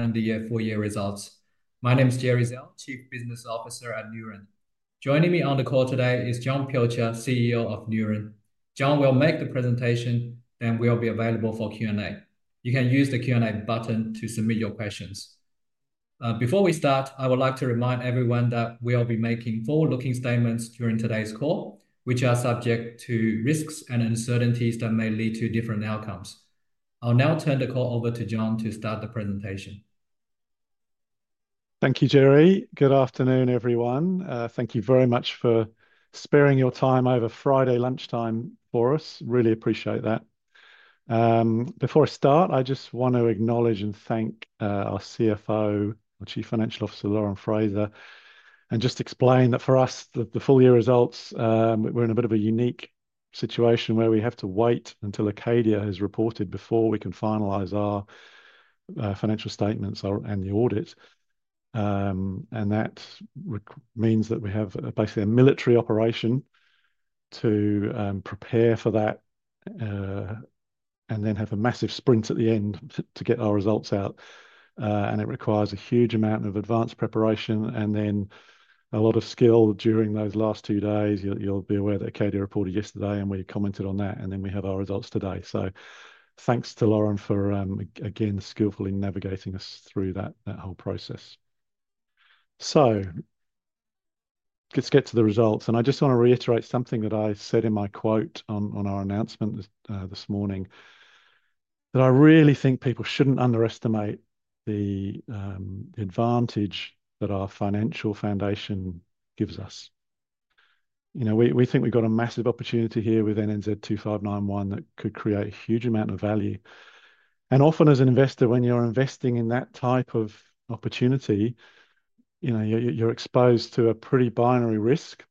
The year-for-year results. My name is Gerry Zhao, Chief Business Officer at Neuren. Joining me on the call today is Jonathan Pilcher, CEO of Neuren. Jon will make the presentation, then we'll be available for Q&A. You can use the Q&A button to submit your questions. Before we start, I would like to remind everyone that we'll be making forward-looking statements during today's call, which are subject to risks and uncertainties that may lead to different outcomes. I'll now turn the call over to Jon to start the presentation. Thank you, Gerry. Good afternoon, everyone. Thank you very much for sparing your time over Friday lunchtime for us. Really appreciate that. Before I start, I just want to acknowledge and thank our Chief Financial Officer Lauren Frazer, and just explain that for us, the full year results, we're in a bit of a unique situation where we have to wait until Acadia has reported before we can finalize our financial statements and the audit. That means that we have basically a military operation to prepare for that and then have a massive sprint at the end to get our results out. It requires a huge amount of advanced preparation and then a lot of skill during those last two days. You'll be aware that Acadia reported yesterday, and we commented on that, and then we have our results today. Thanks to Lauren for, again, skillfully navigating us through that whole process. Let's get to the results. I just want to reiterate something that I said in my quote on our announcement this morning, that I really think people shouldn't underestimate the advantage that our financial foundation gives us. We think we've got a massive opportunity here with NNZ-2591 that could create a huge amount of value. Often, as an investor, when you're investing in that type of opportunity, you're exposed to a pretty binary risk.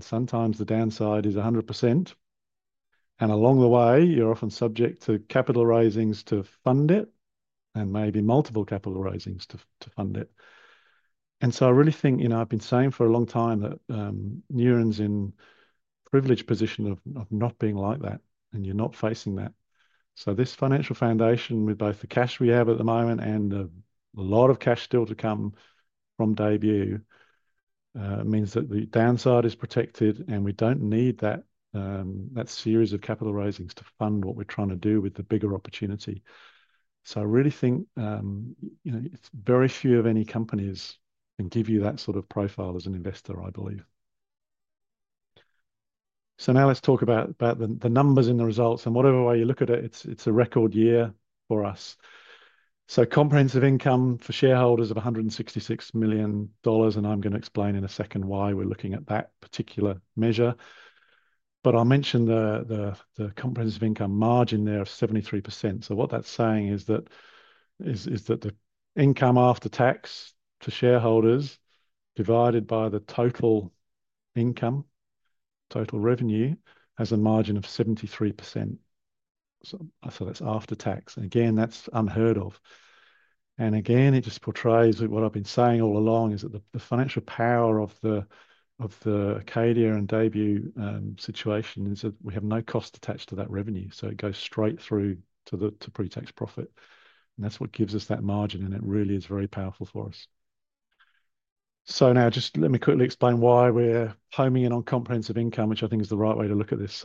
Sometimes the downside is 100%. Along the way, you're often subject to capital raisings to fund it and maybe multiple capital raisings to fund it. I really think I've been saying for a long time that Neuren's in a privileged position of not being like that, and you're not facing that. This financial foundation, with both the cash we have at the moment and a lot of cash still to come from DAYBUE, means that the downside is protected, and we do not need that series of capital raisings to fund what we are trying to do with the bigger opportunity. I really think very few, if any, companies can give you that sort of profile as an investor, I believe. Now let's talk about the numbers and the results. Whatever way you look at it, it is a record year for us. Comprehensive income for shareholders of $166 million, and I am going to explain in a second why we are looking at that particular measure. I will mention the comprehensive income margin there of 73%. What that is saying is that the income after tax to shareholders divided by the total income, total revenue, has a margin of 73%. That's after tax. Again, that's unheard of. Again, it just portrays what I've been saying all along, is that the financial power of the Acadia and DAYBUE situation is that we have no cost attached to that revenue. It goes straight through to pre-tax profit. That's what gives us that margin, and it really is very powerful for us. Now just let me quickly explain why we're homing in on comprehensive income, which I think is the right way to look at this.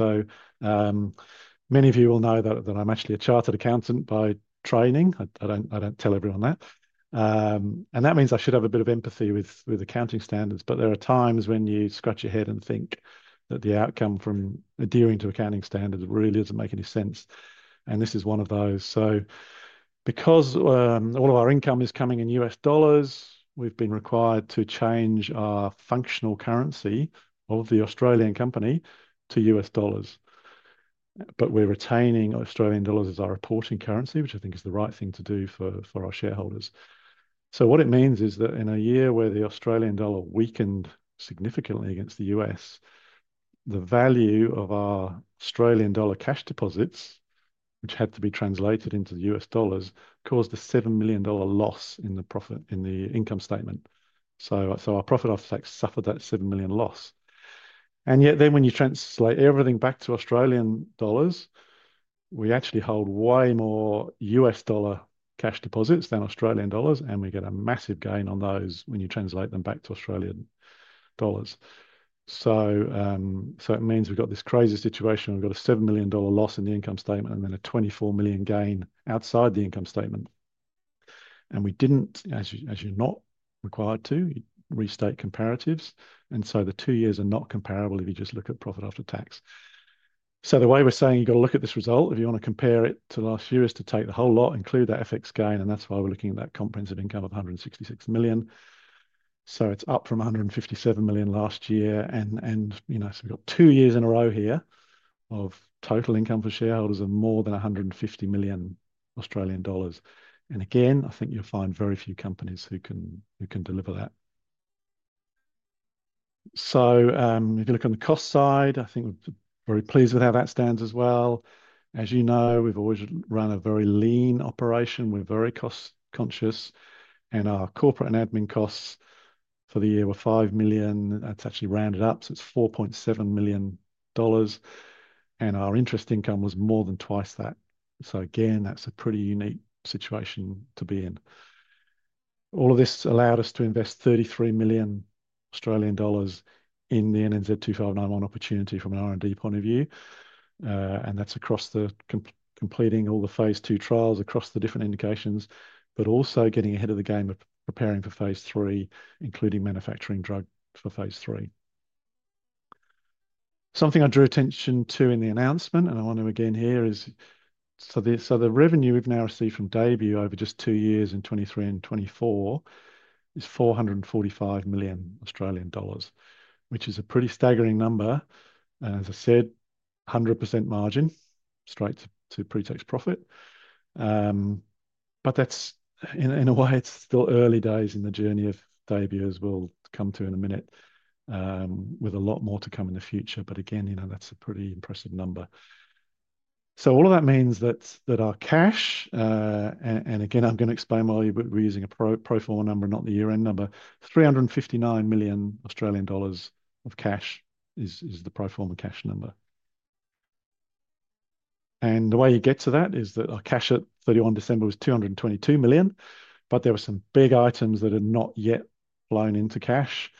Many of you will know that I'm actually a chartered accountant by training. I don't tell everyone that. That means I should have a bit of empathy with accounting standards. There are times when you scratch your head and think that the outcome from adhering to accounting standards really doesn't make any sense. This is one of those. Because all of our income is coming in U.S. dollars, we've been required to change our functional currency of the Australian company to U.S. dollars. We're retaining Australian dollars as our reporting currency, which I think is the right thing to do for our shareholders. What it means is that in a year where the Australian dollar weakened significantly against the U.S., the value of our Australian dollar cash deposits, which had to be translated into the U.S. dollars, caused a $7 million loss in the income statement. Our profit off tax suffered that $7 million loss. Yet when you translate everything back to Australian dollars, we actually hold way more U.S. dollar cash deposits than Australian dollars, and we get a massive gain on those when you translate them back to Australian dollars. It means we've got this crazy situation. We've got a $7 million loss in the income statement and then a 24 million gain outside the income statement. We didn't, as you're not required to, restate comparatives. The two years are not comparable if you just look at profit after tax. The way we're saying you've got to look at this result if you want to compare it to last year is to take the whole lot, include that FX gain, and that's why we're looking at that comprehensive income of 166 million. It's up from 157 million last year. We've got two years in a row here of total income for shareholders of more than 150 million Australian dollars. I think you'll find very few companies who can deliver that. If you look on the cost side, I think we're very pleased with how that stands as well. As you know, we've always run a very lean operation. We're very cost-conscious. Our corporate and admin costs for the year were 5 million. That's actually rounded up, so it's 4.7 million dollars. Our interest income was more than twice that. Again, that's a pretty unique situation to be in. All of this allowed us to invest 33 million Australian dollars in the NNZ-2591 opportunity from an R&D point of view. That's across completing all the phase two trials across the different indications, but also getting ahead of the game of preparing for phase three, including manufacturing drug for phase three. Something I drew attention to in the announcement, and I want to again here, is the revenue we've now received from DAYBUE over just two years in 2023 and 2024 is 445 million Australian dollars, which is a pretty staggering number. As I said, 100% margin straight to pre-tax profit. In a way, it's still early days in the journey of DAYBUE, as we'll come to in a minute, with a lot more to come in the future. That's a pretty impressive number. All of that means that our cash, and again, I'm going to explain why we're using a pro forma number, not the year-end number, 359 million Australian dollars of cash is the pro forma cash number. The way you get to that is that our cash at 31 December was 222 million, but there were some big items that had not yet flown into cash.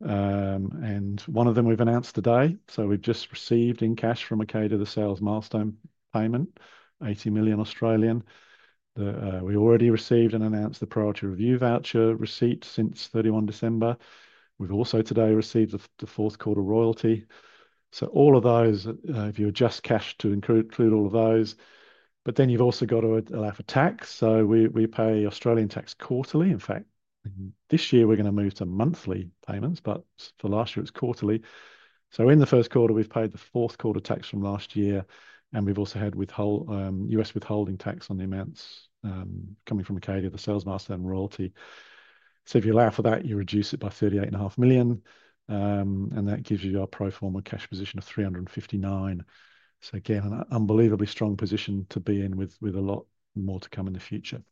One of them we've announced today. We've just received in cash from Acadia the sales milestone payment, 80 million. We already received and announced the priority review voucher receipt since 31 December. We've also today received the fourth quarter royalty. All of those, if you adjust cash to include all of those. You have also got to allow for tax. We pay Australian tax quarterly. In fact, this year we're going to move to monthly payments, but for last year it was quarterly. In the first quarter, we've paid the fourth quarter tax from last year. We've also had U.S. withholding tax on the amounts coming from Acadia, the sales milestone royalty. If you allow for that, you reduce it by $38.5 million. That gives you our pro forma cash position of $359 million. Again, an unbelievably strong position to be in with a lot more to come in the future.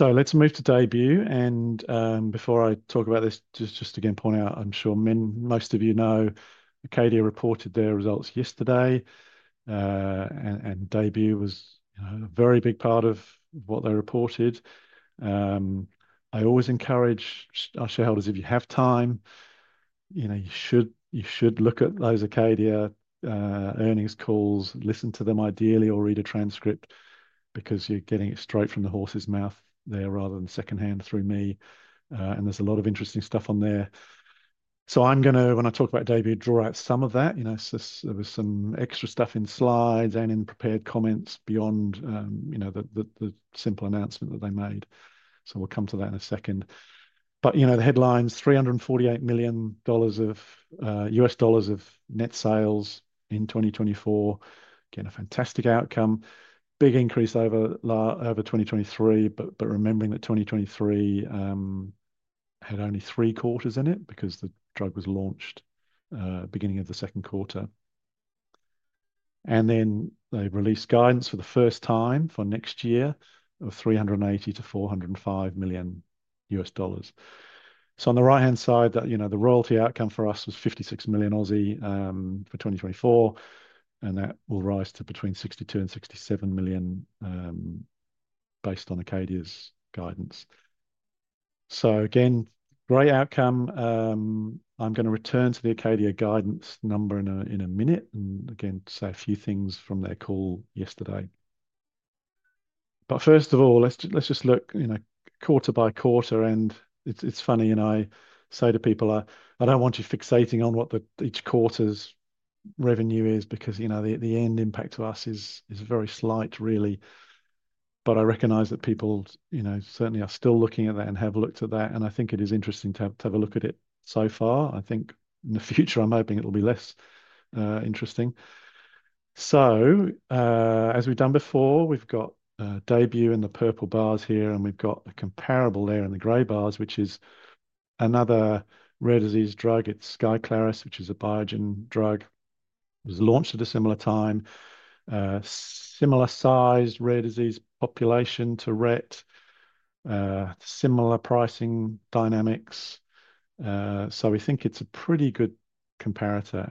Let's move to DAYBUE. Before I talk about this, just again point out, I'm sure most of you know, Acadia reported their results yesterday. DAYBUE was a very big part of what they reported. I always encourage our shareholders, if you have time, you should look at those Acadia earnings calls, listen to them ideally, or read a transcript because you're getting it straight from the horse's mouth there rather than secondhand through me. There's a lot of interesting stuff on there. I'm going to, when I talk about DAYBUE, draw out some of that. There was some extra stuff in slides and in prepared comments beyond the simple announcement that they made. We will come to that in a second. The headlines, $348 million of U.S. dollars of net sales in 2024. Again, a fantastic outcome. Big increase over 2023, but remembering that 2023 had only three quarters in it because the drug was launched beginning of the second quarter. They released guidance for the first time for next year of $380 to $405 million U.S. dollars. On the right-hand side, the royalty outcome for us was 56 million for 2024. That will rise to between 62-67 million based on Acadia's guidance. Again, great outcome. I am going to return to the Acadia guidance number in a minute and again say a few things from their call yesterday. First of all, let's just look quarter by quarter. It's funny, and I say to people, I don't want you fixating on what each quarter's revenue is because the end impact to us is very slight, really. I recognize that people certainly are still looking at that and have looked at that. I think it is interesting to have a look at it so far. I think in the future, I'm hoping it'll be less interesting. As we've done before, we've got DAYBUE in the purple bars here, and we've got a comparable there in the gray bars, which is another rare disease drug. It's Skyclarys, which is a Biogen drug. It was launched at a similar time. Similar sized rare disease population to Rett, similar pricing dynamics. We think it's a pretty good comparator.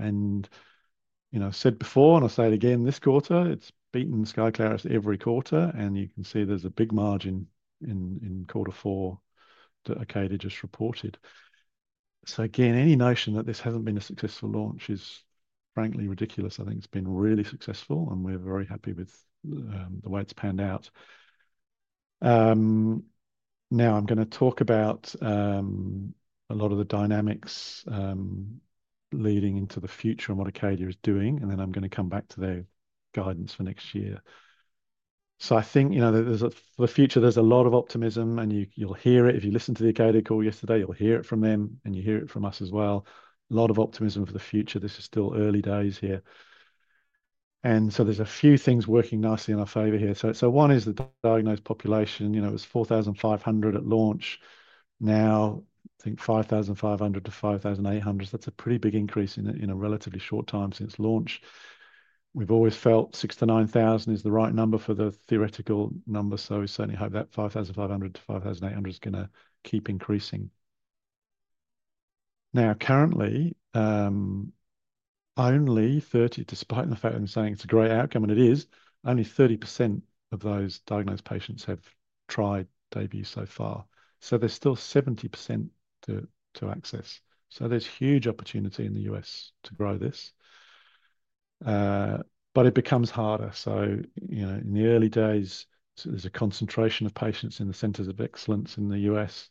I said before, and I'll say it again this quarter, it's beaten Skyclarys every quarter. You can see there's a big margin in quarter four that Acadia just reported. Any notion that this hasn't been a successful launch is frankly ridiculous. I think it's been really successful, and we're very happy with the way it's panned out. Now I'm going to talk about a lot of the dynamics leading into the future and what Acadia is doing. I'm going to come back to their guidance for next year. I think for the future, there's a lot of optimism. You'll hear it. If you listened to the Acadia call yesterday, you'll hear it from them, and you hear it from us as well. A lot of optimism for the future. This is still early days here. There are a few things working nicely in our favor here. One is the diagnosed population. It was 4,500 at launch. Now, I think 5,500 to 5,800. That is a pretty big increase in a relatively short time since launch. We have always felt 6,000 to 9,000 is the right number for the theoretical number. We certainly hope that 5,500 to 5,800 is going to keep increasing. Currently, only 30%, despite the fact that I am saying it is a great outcome, and it is, only 30% of those diagnosed patients have tried DAYBUE so far. There is still 70% to access. There is huge opportunity in the U.S. to grow this. It becomes harder. In the early days, there is a concentration of patients in the centers of excellence in the U.S.,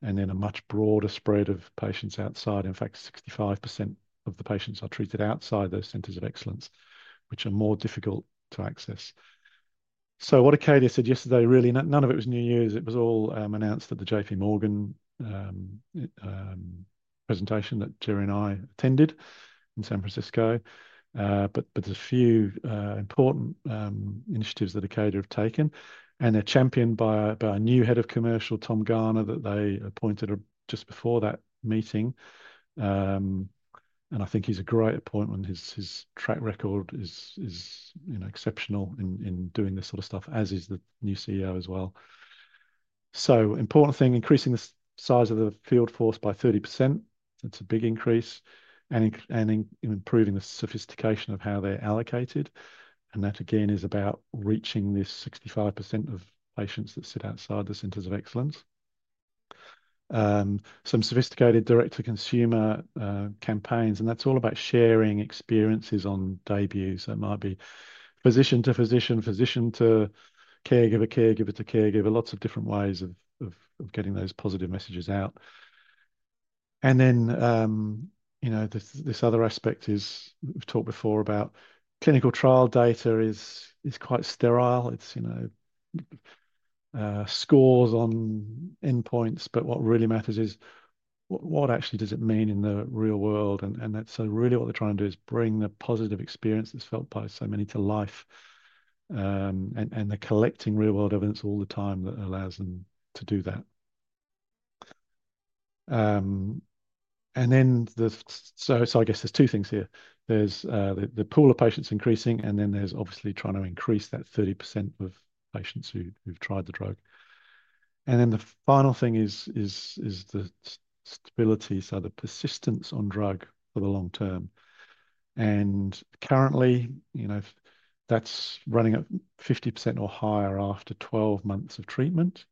and then a much broader spread of patients outside. In fact, 65% of the patients are treated outside those centers of excellence, which are more difficult to access. What Acadia said yesterday, really, none of it was new news. It was all announced at the J.P. Morgan presentation that Gerry and I attended in San Francisco. There are a few important initiatives that Acadia have taken. They are championed by our new Head of Commercial, Tom Garner, that they appointed just before that meeting. I think he is a great appointment. His track record is exceptional in doing this sort of stuff, as is the new CEO as well. Important thing, increasing the size of the field force by 30%. That is a big increase. Improving the sophistication of how they are allocated. That, again, is about reaching this 65% of patients that sit outside the centers of excellence. Some sophisticated direct-to-consumer campaigns. That is all about sharing experiences on DAYBUE. It might be physician to physician, physician to caregiver, caregiver to caregiver. There are lots of different ways of getting those positive messages out. This other aspect is we have talked before about clinical trial data being quite sterile. It is scores on endpoints. What really matters is what actually does it mean in the real world? That is really what they are trying to do, bring the positive experience that is felt by so many to life. They are collecting real-world evidence all the time that allows them to do that. I guess there are two things here. There is the pool of patients increasing, and there is obviously trying to increase that 30% of patients who have tried the drug. The final thing is the stability, so the persistence on drug for the long term. Currently, that's running at 50% or higher after 12 months of treatment.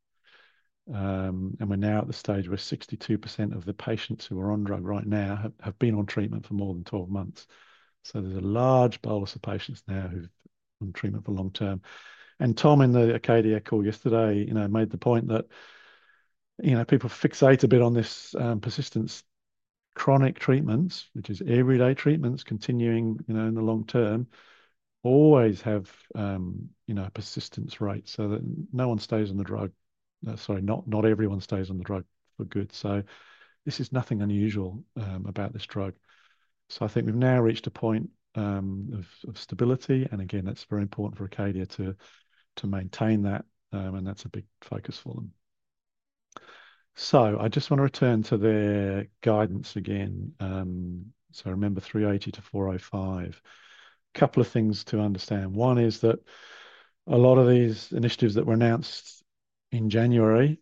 We're now at the stage where 62% of the patients who are on drug right now have been on treatment for more than 12 months. There is a large bolus of patients now who've been on treatment for long term. Tom in the Acadia call yesterday made the point that people fixate a bit on this persistence. Chronic treatments, which is everyday treatments, continuing in the long term, always have a persistence rate so that not everyone stays on the drug for good. This is nothing unusual about this drug. I think we've now reached a point of stability. Again, that's very important for Acadia to maintain that. That's a big focus for them. I just want to return to their guidance again. Remember 380 to 405. A couple of things to understand. One is that a lot of these initiatives that were announced in January,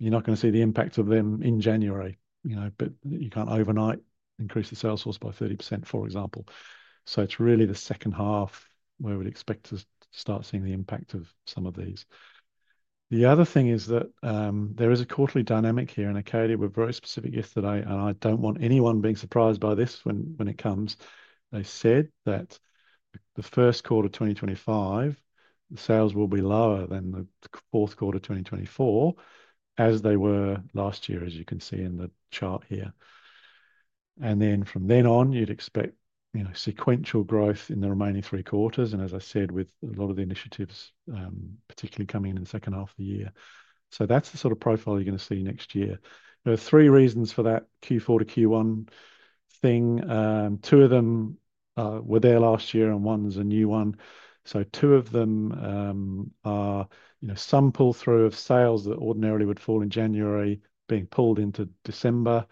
you're not going to see the impact of them in January. You can't overnight increase the sales force by 30%, for example. It is really the second half where we'd expect to start seeing the impact of some of these. The other thing is that there is a quarterly dynamic here in Acadia. We were very specific yesterday. I don't want anyone being surprised by this when it comes. They said that the first quarter of 2025, the sales will be lower than the fourth quarter of 2024, as they were last year, as you can see in the chart here. From then on, you'd expect sequential growth in the remaining three quarters. As I said, with a lot of the initiatives, particularly coming in the second half of the year, that's the sort of profile you're going to see next year. There are three reasons for that Q4 to Q1 thing. Two of them were there last year, and one is a new one. Two of them are some pull-through of sales that ordinarily would fall in January being pulled into December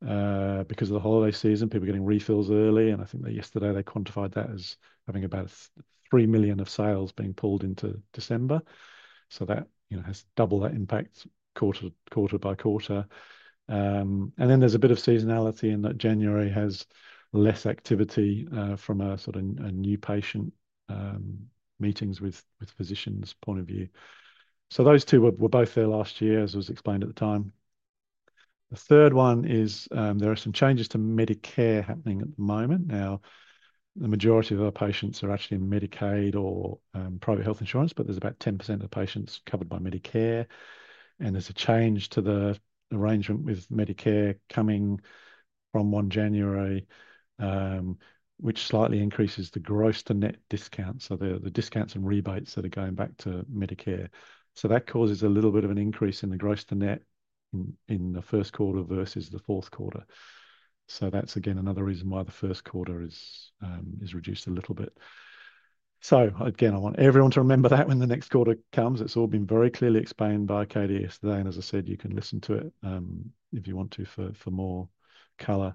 because of the holiday season, people getting refills early. I think yesterday they quantified that as having about $3 million of sales being pulled into December. That has doubled that impact quarter by quarter. There is also a bit of seasonality in that January has less activity from a new patient meetings with physicians point of view. Those two were both there last year, as was explained at the time. The third one is there are some changes to Medicare happening at the moment. Now, the majority of our patients are actually in Medicaid or private health insurance, but there's about 10% of patients covered by Medicare. There's a change to the arrangement with Medicare coming from 1 January, which slightly increases the gross-to-net discount. The discounts and rebates that are going back to Medicare cause a little bit of an increase in the gross-to-net in the first quarter versus the fourth quarter. That is, again, another reason why the first quarter is reduced a little bit. I want everyone to remember that when the next quarter comes. It's all been very clearly explained by Acadia yesterday. As I said, you can listen to it if you want to for more color.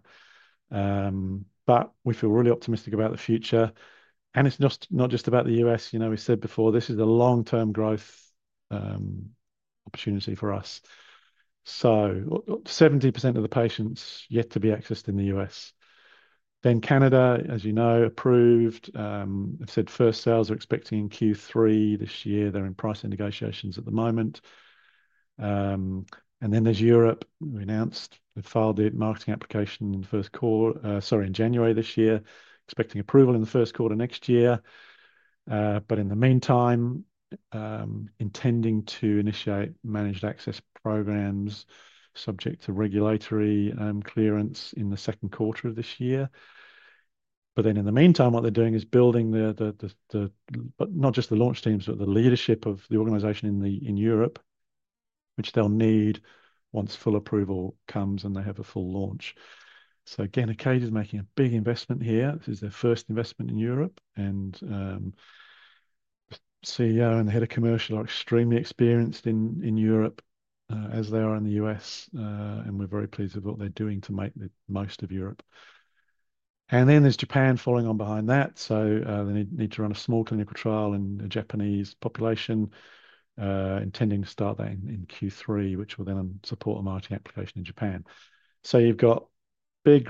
We feel really optimistic about the future. It is not just about the U.S. We said before, this is a long-term growth opportunity for us. 70% of the patients yet to be accessed in the U.S. Canada, as you know, approved. I've said first sales are expecting Q3 this year. They are in pricing negotiations at the moment. Europe, we announced they filed the marketing application in the first quarter, sorry, in January this year, expecting approval in the first quarter next year. In the meantime, intending to initiate managed access programs subject to regulatory clearance in the second quarter of this year. In the meantime, what they are doing is building not just the launch teams, but the leadership of the organization in Europe, which they will need once full approval comes and they have a full launch. Acadia is making a big investment here. This is their first investment in Europe. The CEO and the Head of Commercial are extremely experienced in Europe as they are in the U.S. We are very pleased with what they are doing to make the most of Europe. There is Japan following on behind that. They need to run a small clinical trial in the Japanese population, intending to start that in Q3, which will then support the marketing application in Japan. You have big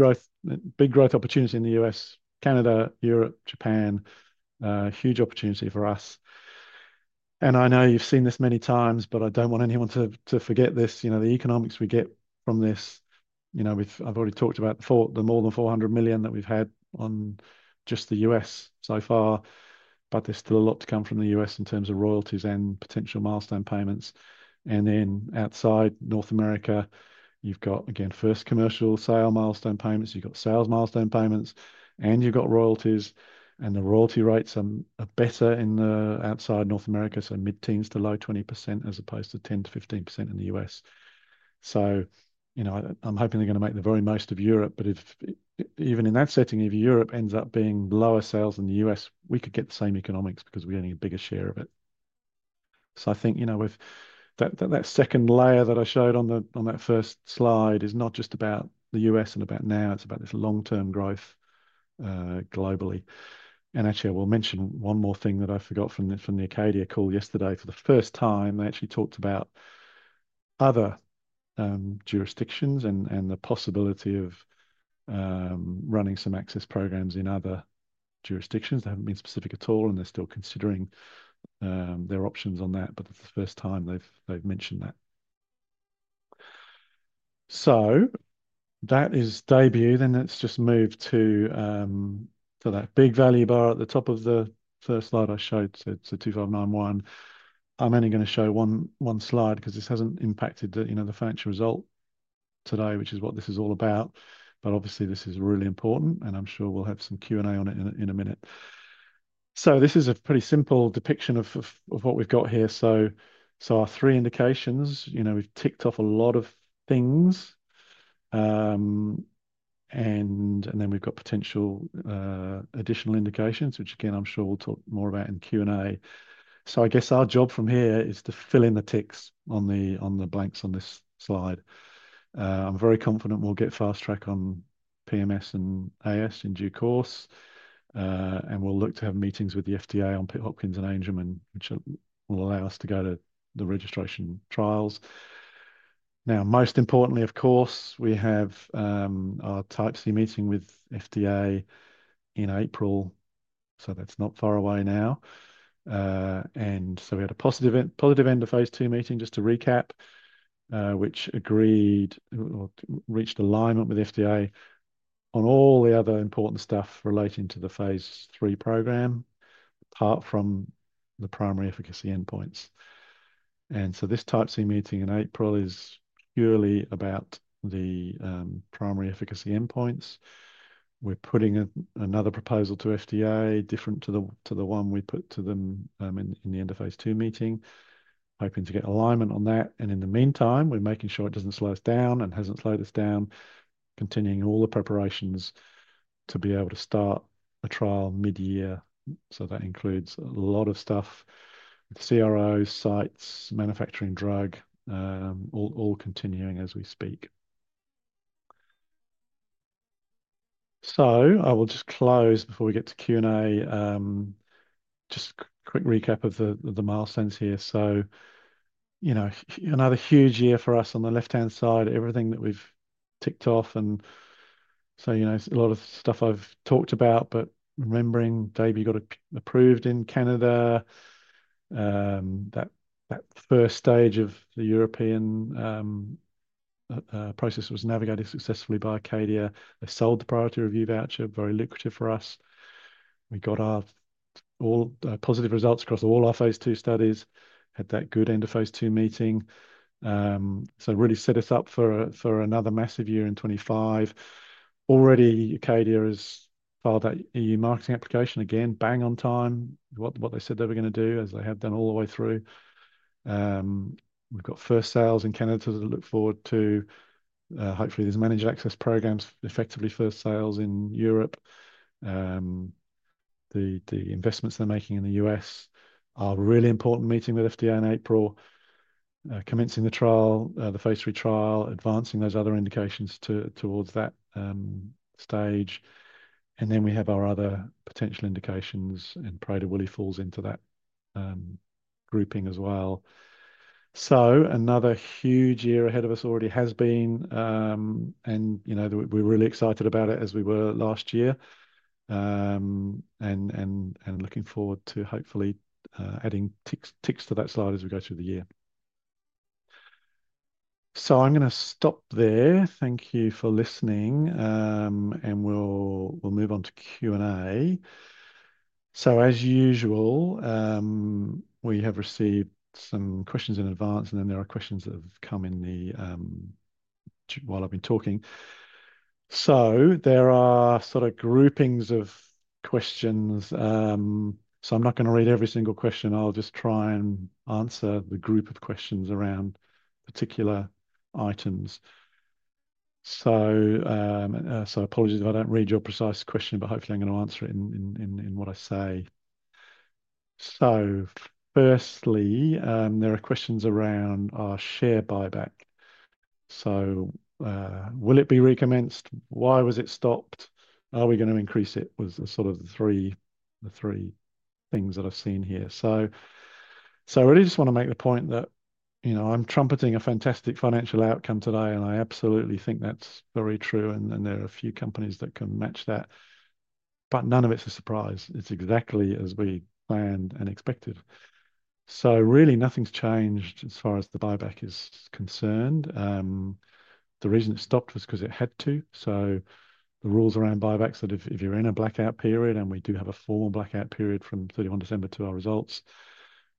growth opportunity in the U.S., Canada, Europe, Japan, huge opportunity for us. I know you have seen this many times, but I do not want anyone to forget this. The economics we get from this, I have already talked about the more than $400 million that we have had on just the U.S. so far. There is still a lot to come from the U.S. in terms of royalties and potential milestone payments. Outside North America, you've got, again, first commercial sale milestone payments. You've got sales milestone payments, and you've got royalties. The royalty rates are better outside North America, so mid-teens to low 20% as opposed to 10% to 15% in the U.S. I'm hoping they're going to make the very most of Europe. Even in that setting, if Europe ends up being lower sales than the U.S., we could get the same economics because we're getting a bigger share of it. I think that second layer that I showed on that first slide is not just about the U.S. and about now. It's about this long-term growth globally. Actually, I will mention one more thing that I forgot from the Acadia call yesterday. For the first time, they actually talked about other jurisdictions and the possibility of running some access programs in other jurisdictions. They have not been specific at all, and they are still considering their options on that. It is the first time they have mentioned that. That is DAYBUE. Let us just move to that big value bar at the top of the first slide I showed. It is NNZ-2591. I am only going to show one slide because this has not impacted the financial result today, which is what this is all about. Obviously, this is really important, and I am sure we will have some Q&A on it in a minute. This is a pretty simple depiction of what we have got here. Our three indications, we have ticked off a lot of things. Then we have potential additional indications, which again, I am sure we will talk more about in Q&A. I guess our job from here is to fill in the ticks on the blanks on this slide. I'm very confident we'll get fast track on PMS and AS in due course. We'll look to have meetings with the FDA on Pitt Hopkins and Angelman, which will allow us to go to the registration trials. Most importantly, of course, we have our type C meeting with FDA in April. That's not far away now. We had a positive end-of-phase two meeting, just to recap, which agreed or reached alignment with FDA on all the other important stuff relating to the phase three program, apart from the primary efficacy endpoints. This type C meeting in April is purely about the primary efficacy endpoints. We're putting another proposal to FDA, different to the one we put to them in the end-of-phase two meeting, hoping to get alignment on that. In the meantime, we're making sure it doesn't slow us down and hasn't slowed us down, continuing all the preparations to be able to start a trial mid-year. That includes a lot of stuff, CRO sites, manufacturing drug, all continuing as we speak. I will just close before we get to Q&A. Just a quick recap of the milestones here. Another huge year for us on the left-hand side, everything that we've ticked off. A lot of stuff I've talked about, but remembering DAYBUE got approved in Canada. That first stage of the European process was navigated successfully by Acadia. They sold the priority review voucher, very lucrative for us. We got all positive results across all our phase two studies, had that good end of phase two meeting. Really set us up for another massive year in 2025. Already, Acadia has filed that EU marketing application. Again, bang on time, what they said they were going to do, as they have done all the way through. We've got first sales in Canada to look forward to. Hopefully, there's managed access programs, effectively first sales in Europe. The investments they're making in the U.S. are a really important meeting with FDA in April, commencing the trial, the phase three trial, advancing those other indications towards that stage. We have our other potential indications, and Prader-Willi falls into that grouping as well. Another huge year ahead of us already has been. We're really excited about it as we were last year. Looking forward to hopefully adding ticks to that slide as we go through the year. I'm going to stop there. Thank you for listening. We'll move on to Q&A. As usual, we have received some questions in advance, and then there are questions that have come in while I've been talking. There are sort of groupings of questions. I'm not going to read every single question. I'll just try and answer the group of questions around particular items. Apologies if I don't read your precise question, but hopefully I'm going to answer it in what I say. Firstly, there are questions around our share buyback. Will it be recommenced? Why was it stopped? Are we going to increase it? Those are the three things that I've seen here. I really just want to make the point that I'm trumpeting a fantastic financial outcome today, and I absolutely think that's very true. There are a few companies that can match that. None of it's a surprise. It's exactly as we planned and expected. Really, nothing's changed as far as the buyback is concerned. The reason it stopped was because it had to. The rules around buybacks are that if you're in a blackout period, and we do have a formal blackout period from 31 December to our results,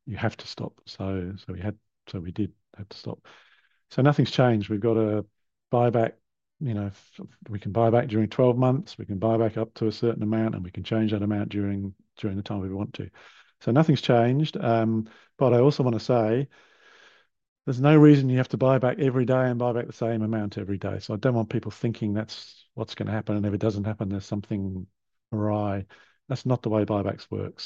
you have to stop. We did have to stop. Nothing's changed. We've got a buyback. We can buyback during 12 months. We can buyback up to a certain amount, and we can change that amount during the time we want to. Nothing's changed. I also want to say there's no reason you have to buyback every day and buyback the same amount every day. I do not want people thinking that's what's going to happen. If it does not happen, there's something awry. That's not the way buybacks work.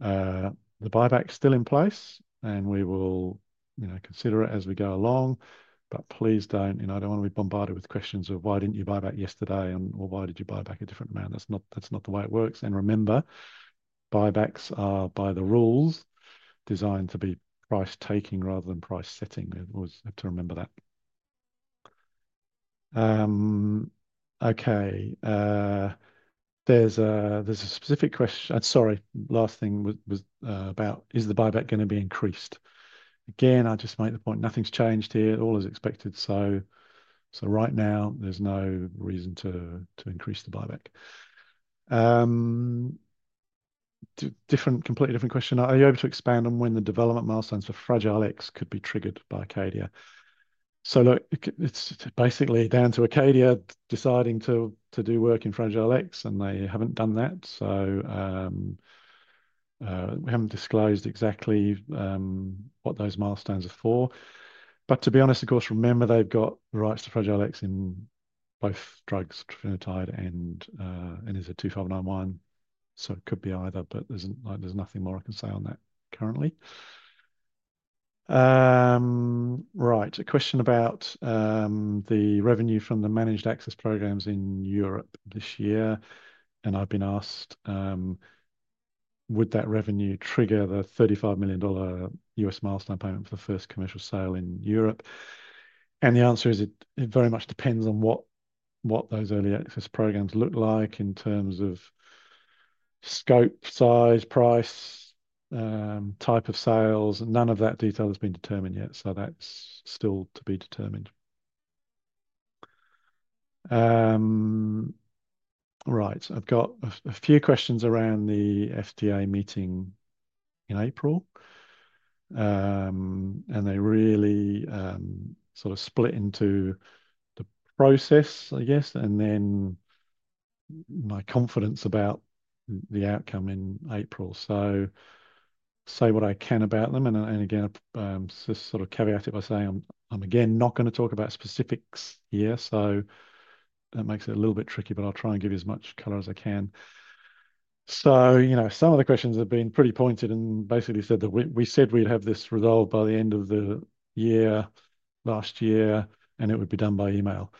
The buyback is still in place, and we will consider it as we go along. Please do not. I do not want to be bombarded with questions of, "Why didn't you buyback yesterday?" or, "Why did you buyback a different amount?" That's not the way it works. Remember, buybacks are by the rules designed to be price-taking rather than price-setting. We always have to remember that. Okay. There's a specific question. Sorry, last thing was about, "Is the buyback going to be increased?" Again, I'll just make the point, nothing's changed here. All is expected. Right now, there's no reason to increase the buyback. Completely different question. Are you able to expand on when the development milestones for Fragile X could be triggered by Acadia? Look, it's basically down to Acadia deciding to do work in Fragile X, and they haven't done that. We haven't disclosed exactly what those milestones are for. To be honest, of course, remember they've got the rights to Fragile X in both drugs, Trofinetide and NNZ-2591. It could be either, but there's nothing more I can say on that currently. Right. A question about the revenue from the managed access programs in Europe this year. I've been asked, "Would that revenue trigger the $35 million U.S. milestone payment for the first commercial sale in Europe?" The answer is it very much depends on what those early access programs look like in terms of scope, size, price, type of sales. None of that detail has been determined yet. That's still to be determined. Right. I've got a few questions around the FDA meeting in April. They really sort of split into the process, I guess, and then my confidence about the outcome in April. I'll say what I can about them. Again, just sort of caveat it by saying I'm not going to talk about specifics here. That makes it a little bit tricky, but I'll try and give you as much color as I can. Some of the questions have been pretty pointed and basically said that we said we'd have this resolved by the end of the year last year, and it would be done by email.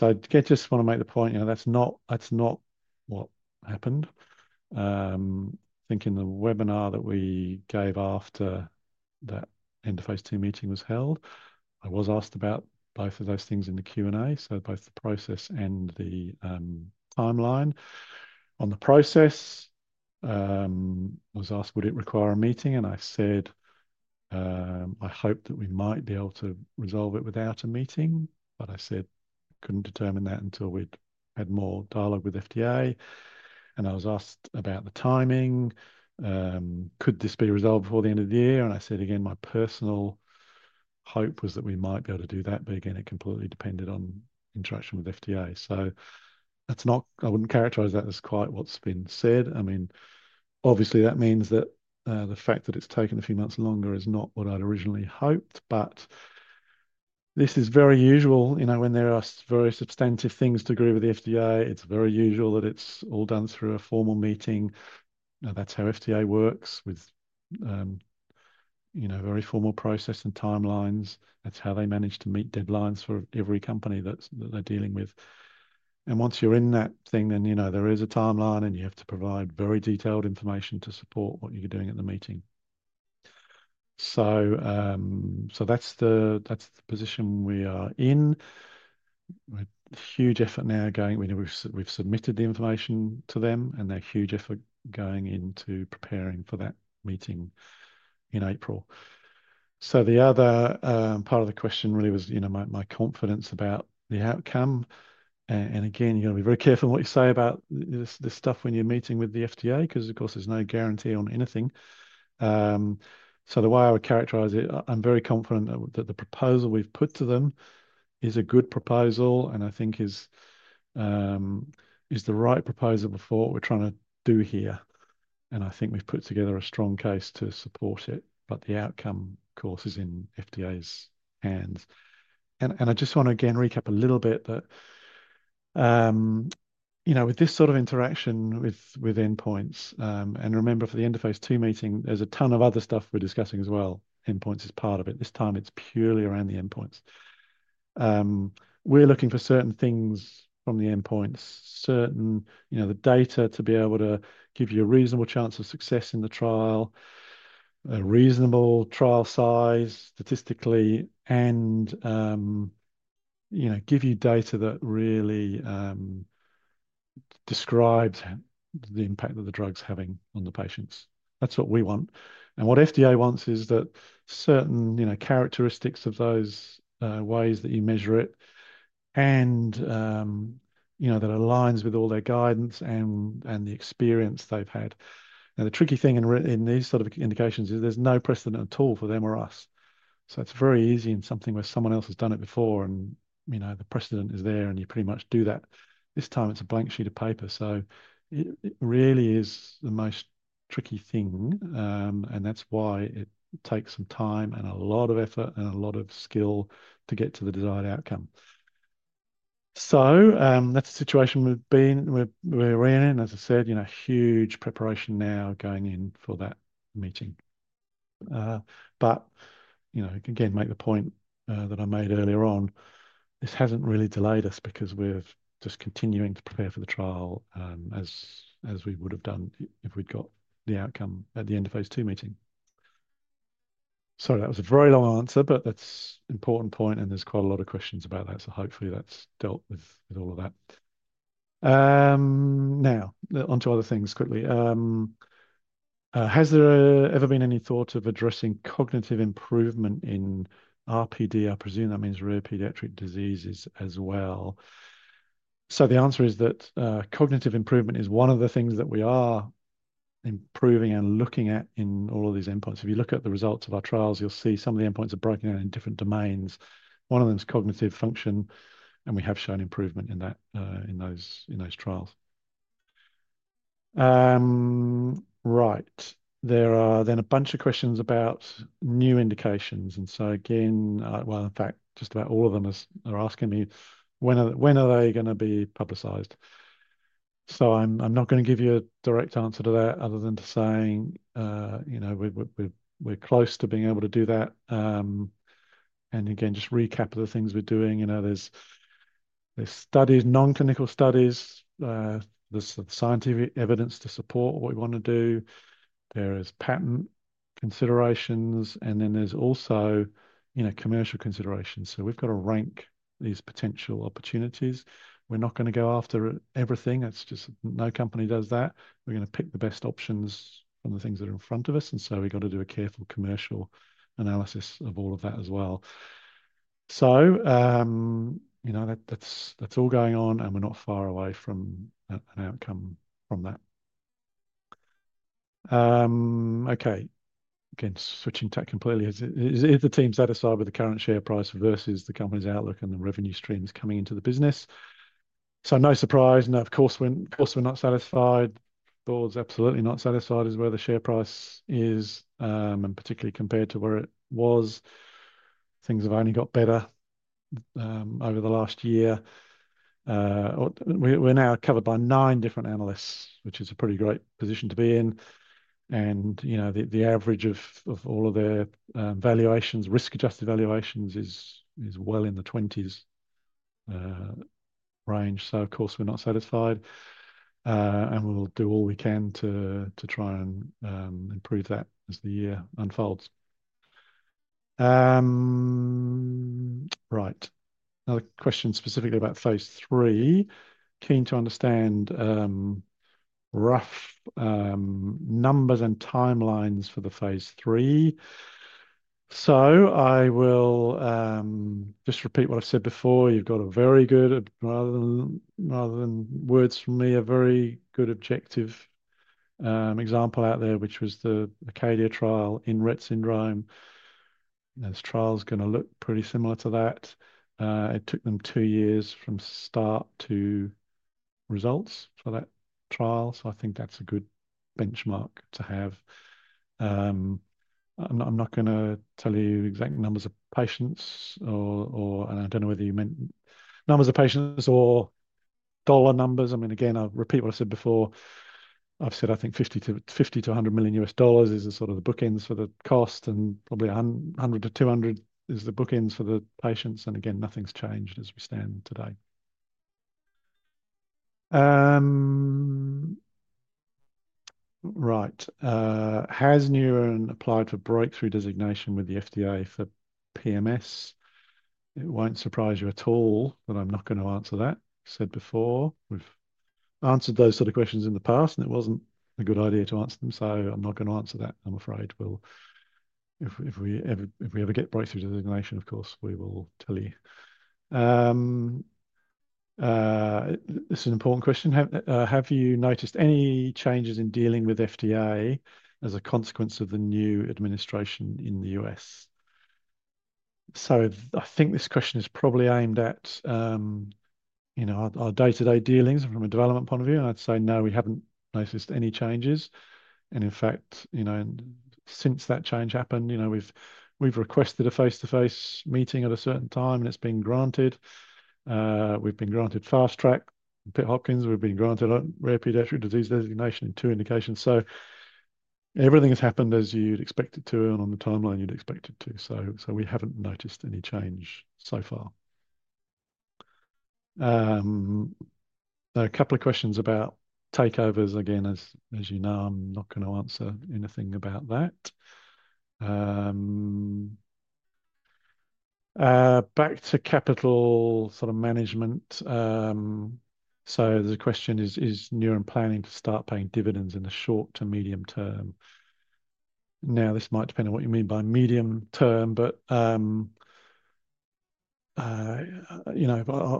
Again, just want to make the point that's not what happened. I think in the webinar that we gave after that end of phase two meeting was held, I was asked about both of those things in the Q&A, so both the process and the timeline. On the process, I was asked, "Would it require a meeting?" I said, "I hope that we might be able to resolve it without a meeting." I said, "I couldn't determine that until we'd had more dialogue with FDA." I was asked about the timing. Could this be resolved before the end of the year?" I said, "Again, my personal hope was that we might be able to do that, but again, it completely depended on interaction with FDA." I would not characterize that as quite what has been said. I mean, obviously, that means that the fact that it has taken a few months longer is not what I had originally hoped. This is very usual. When there are very substantive things to agree with the FDA, it is very usual that it is all done through a formal meeting. That is how FDA works with very formal process and timelines. That is how they manage to meet deadlines for every company that they are dealing with. Once you are in that thing, there is a timeline, and you have to provide very detailed information to support what you are doing at the meeting. That's the position we are in. We're a huge effort now going. We've submitted the information to them, and they're a huge effort going into preparing for that meeting in April. The other part of the question really was my confidence about the outcome. Again, you've got to be very careful what you say about this stuff when you're meeting with the FDA because, of course, there's no guarantee on anything. The way I would characterize it, I'm very confident that the proposal we've put to them is a good proposal and I think is the right proposal for what we're trying to do here. I think we've put together a strong case to support it. The outcome, of course, is in FDA's hands. I just want to again recap a little bit that with this sort of interaction with endpoints, and remember for the end-of-phase two meeting, there's a ton of other stuff we're discussing as well. Endpoints is part of it. This time, it's purely around the endpoints. We're looking for certain things from the endpoints, certain data to be able to give you a reasonable chance of success in the trial, a reasonable trial size statistically, and give you data that really describes the impact that the drug's having on the patients. That's what we want. What FDA wants is that certain characteristics of those ways that you measure it and that aligns with all their guidance and the experience they've had. Now, the tricky thing in these sort of indications is there's no precedent at all for them or us. It's very easy in something where someone else has done it before and the precedent is there and you pretty much do that. This time, it's a blank sheet of paper. It really is the most tricky thing. That's why it takes some time and a lot of effort and a lot of skill to get to the desired outcome. That's a situation we've been rearing in. As I said, huge preparation now going in for that meeting. Again, make the point that I made earlier on. This hasn't really delayed us because we're just continuing to prepare for the trial as we would have done if we'd got the outcome at the end of phase two meeting. Sorry, that was a very long answer, but that's an important point. There's quite a lot of questions about that. Hopefully, that's dealt with all of that. Now, onto other things quickly. Has there ever been any thought of addressing cognitive improvement in RPD? I presume that means rare pediatric diseases as well. The answer is that cognitive improvement is one of the things that we are improving and looking at in all of these endpoints. If you look at the results of our trials, you'll see some of the endpoints are broken out in different domains. One of them is cognitive function, and we have shown improvement in those trials. Right. There are then a bunch of questions about new indications. In fact, just about all of them are asking me, when are they going to be publicized? I'm not going to give you a direct answer to that other than to say we're close to being able to do that. Again, just recap of the things we're doing. There are studies, non-clinical studies. There is scientific evidence to support what we want to do. There are patent considerations, and then there are also commercial considerations. We have to rank these potential opportunities. We are not going to go after everything. No company does that. We are going to pick the best options from the things that are in front of us. We have to do a careful commercial analysis of all of that as well. That is all going on, and we are not far away from an outcome from that. Okay. Again, switching tack completely. Is the team satisfied with the current share price versus the company's outlook and the revenue streams coming into the business? No surprise. Of course, we are not satisfied. Board's absolutely not satisfied is where the share price is, and particularly compared to where it was. Things have only got better over the last year. We're now covered by nine different analysts, which is a pretty great position to be in. The average of all of their valuations, risk-adjusted valuations, is well in the 20s range. Of course, we're not satisfied. We'll do all we can to try and improve that as the year unfolds. Right. Another question specifically about phase three. Keen to understand rough numbers and timelines for the phase three. I will just repeat what I've said before. You've got a very good, rather than words from me, a very good objective example out there, which was the Acadia trial in Rett Syndrome. This trial's going to look pretty similar to that. It took them two years from start to results for that trial. I think that's a good benchmark to have. I'm not going to tell you exact numbers of patients, and I don't know whether you meant numbers of patients or dollar numbers. I mean, again, I'll repeat what I said before. I've said, I think, $50 million to $100 million is sort of the bookends for the cost, and probably $100 to $200 is the bookends for the patients. Again, nothing's changed as we stand today. Right. Has Neuren applied for breakthrough designation with the FDA for PMS? It won't surprise you at all that I'm not going to answer that. Said before, we've answered those sort of questions in the past, and it wasn't a good idea to answer them. I'm not going to answer that. I'm afraid if we ever get breakthrough designation, of course, we will tell you. This is an important question. Have you noticed any changes in dealing with FDA as a consequence of the new administration in the U.S.? I think this question is probably aimed at our day-to-day dealings from a development point of view. I'd say no, we haven't noticed any changes. In fact, since that change happened, we've requested a face-to-face meeting at a certain time, and it's been granted. We've been granted fast track, Pitt Hopkins. We've been granted rare pediatric disease designation in two indications. Everything has happened as you'd expect it to, and on the timeline you'd expect it to. We haven't noticed any change so far. A couple of questions about takeovers. Again, as you know, I'm not going to answer anything about that. Back to capital sort of management. The question is, is Neuren planning to start paying dividends in the short to medium term? Now, this might depend on what you mean by medium term, but I'll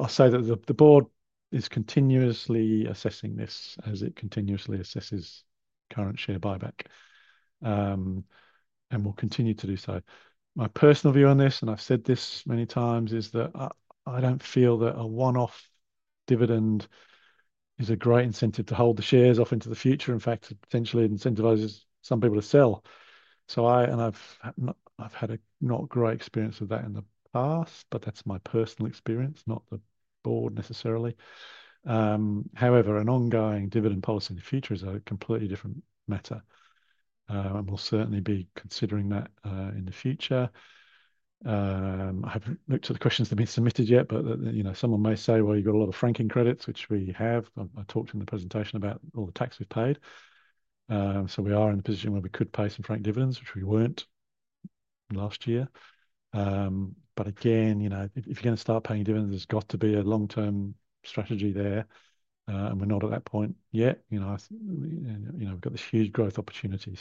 say that the board is continuously assessing this as it continuously assesses current share buyback and will continue to do so. My personal view on this, and I've said this many times, is that I don't feel that a one-off dividend is a great incentive to hold the shares off into the future. In fact, it potentially incentivizes some people to sell. I've had a not great experience with that in the past, but that's my personal experience, not the board necessarily. However, an ongoing dividend policy in the future is a completely different matter. We'll certainly be considering that in the future. I haven't looked at the questions that have been submitted yet, but someone may say, "Well, you've got a lot of franking credits," which we have. I talked in the presentation about all the tax we've paid. We are in a position where we could pay some frank dividends, which we weren't last year. If you're going to start paying dividends, there's got to be a long-term strategy there. We're not at that point yet. We've got this huge growth opportunity.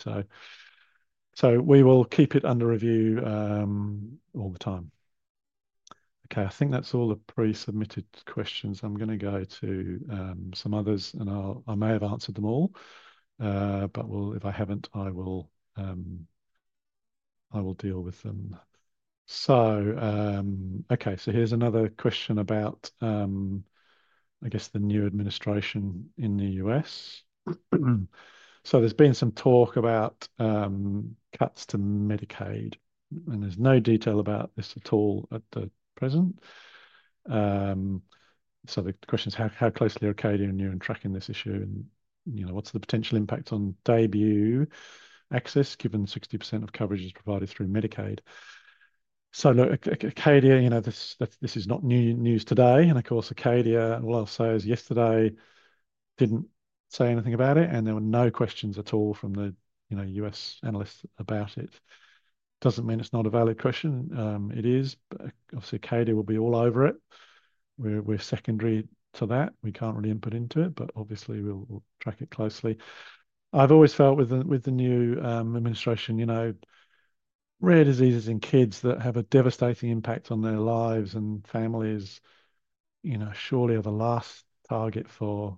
We will keep it under review all the time. I think that's all the pre-submitted questions. I'm going to go to some others, and I may have answered them all. If I haven't, I will deal with them. Here's another question about, I guess, the new administration in the U.S. There's been some talk about cuts to Medicaid, and there's no detail about this at all at the present. The question is, how closely are Acadia and Neuren tracking this issue? What's the potential impact on DAYBUE access given 60% of coverage is provided through Medicaid? Acadia, this is not news today. Of course, Acadia, all I'll say is yesterday didn't say anything about it, and there were no questions at all from the U.S. analysts about it. Doesn't mean it's not a valid question. It is. Obviously, Acadia will be all over it. We're secondary to that. We can't really input into it, but obviously, we'll track it closely. I've always felt with the new administration, rare diseases in kids that have a devastating impact on their lives and families surely are the last target for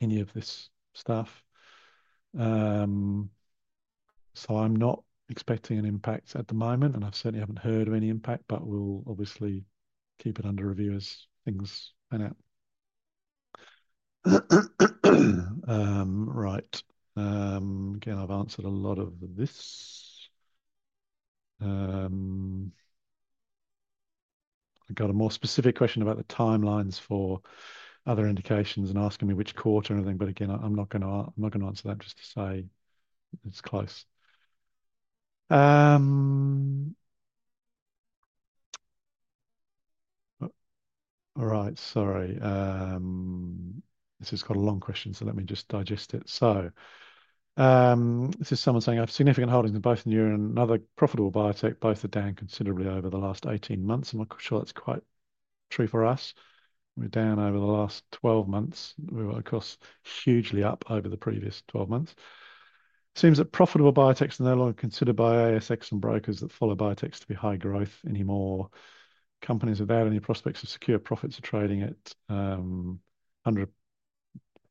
any of this stuff. I'm not expecting an impact at the moment, and I certainly haven't heard of any impact, but we'll obviously keep it under review as things pan out. Right. Again, I've answered a lot of this. I've got a more specific question about the timelines for other indications and asking me which quarter and everything. Again, I'm not going to answer that, just to say it's close. All right. Sorry. This has got a long question, so let me just digest it. This is someone saying, "I have significant holdings in both Neuren and other profitable biotech. Both are down considerably over the last 18 months." I'm not sure that's quite true for us. We're down over the last 12 months. We were, of course, hugely up over the previous 12 months. It seems that profitable biotechs are no longer considered by ASX and brokers that follow biotechs to be high growth anymore. Companies without any prospects of secure profits are trading at 100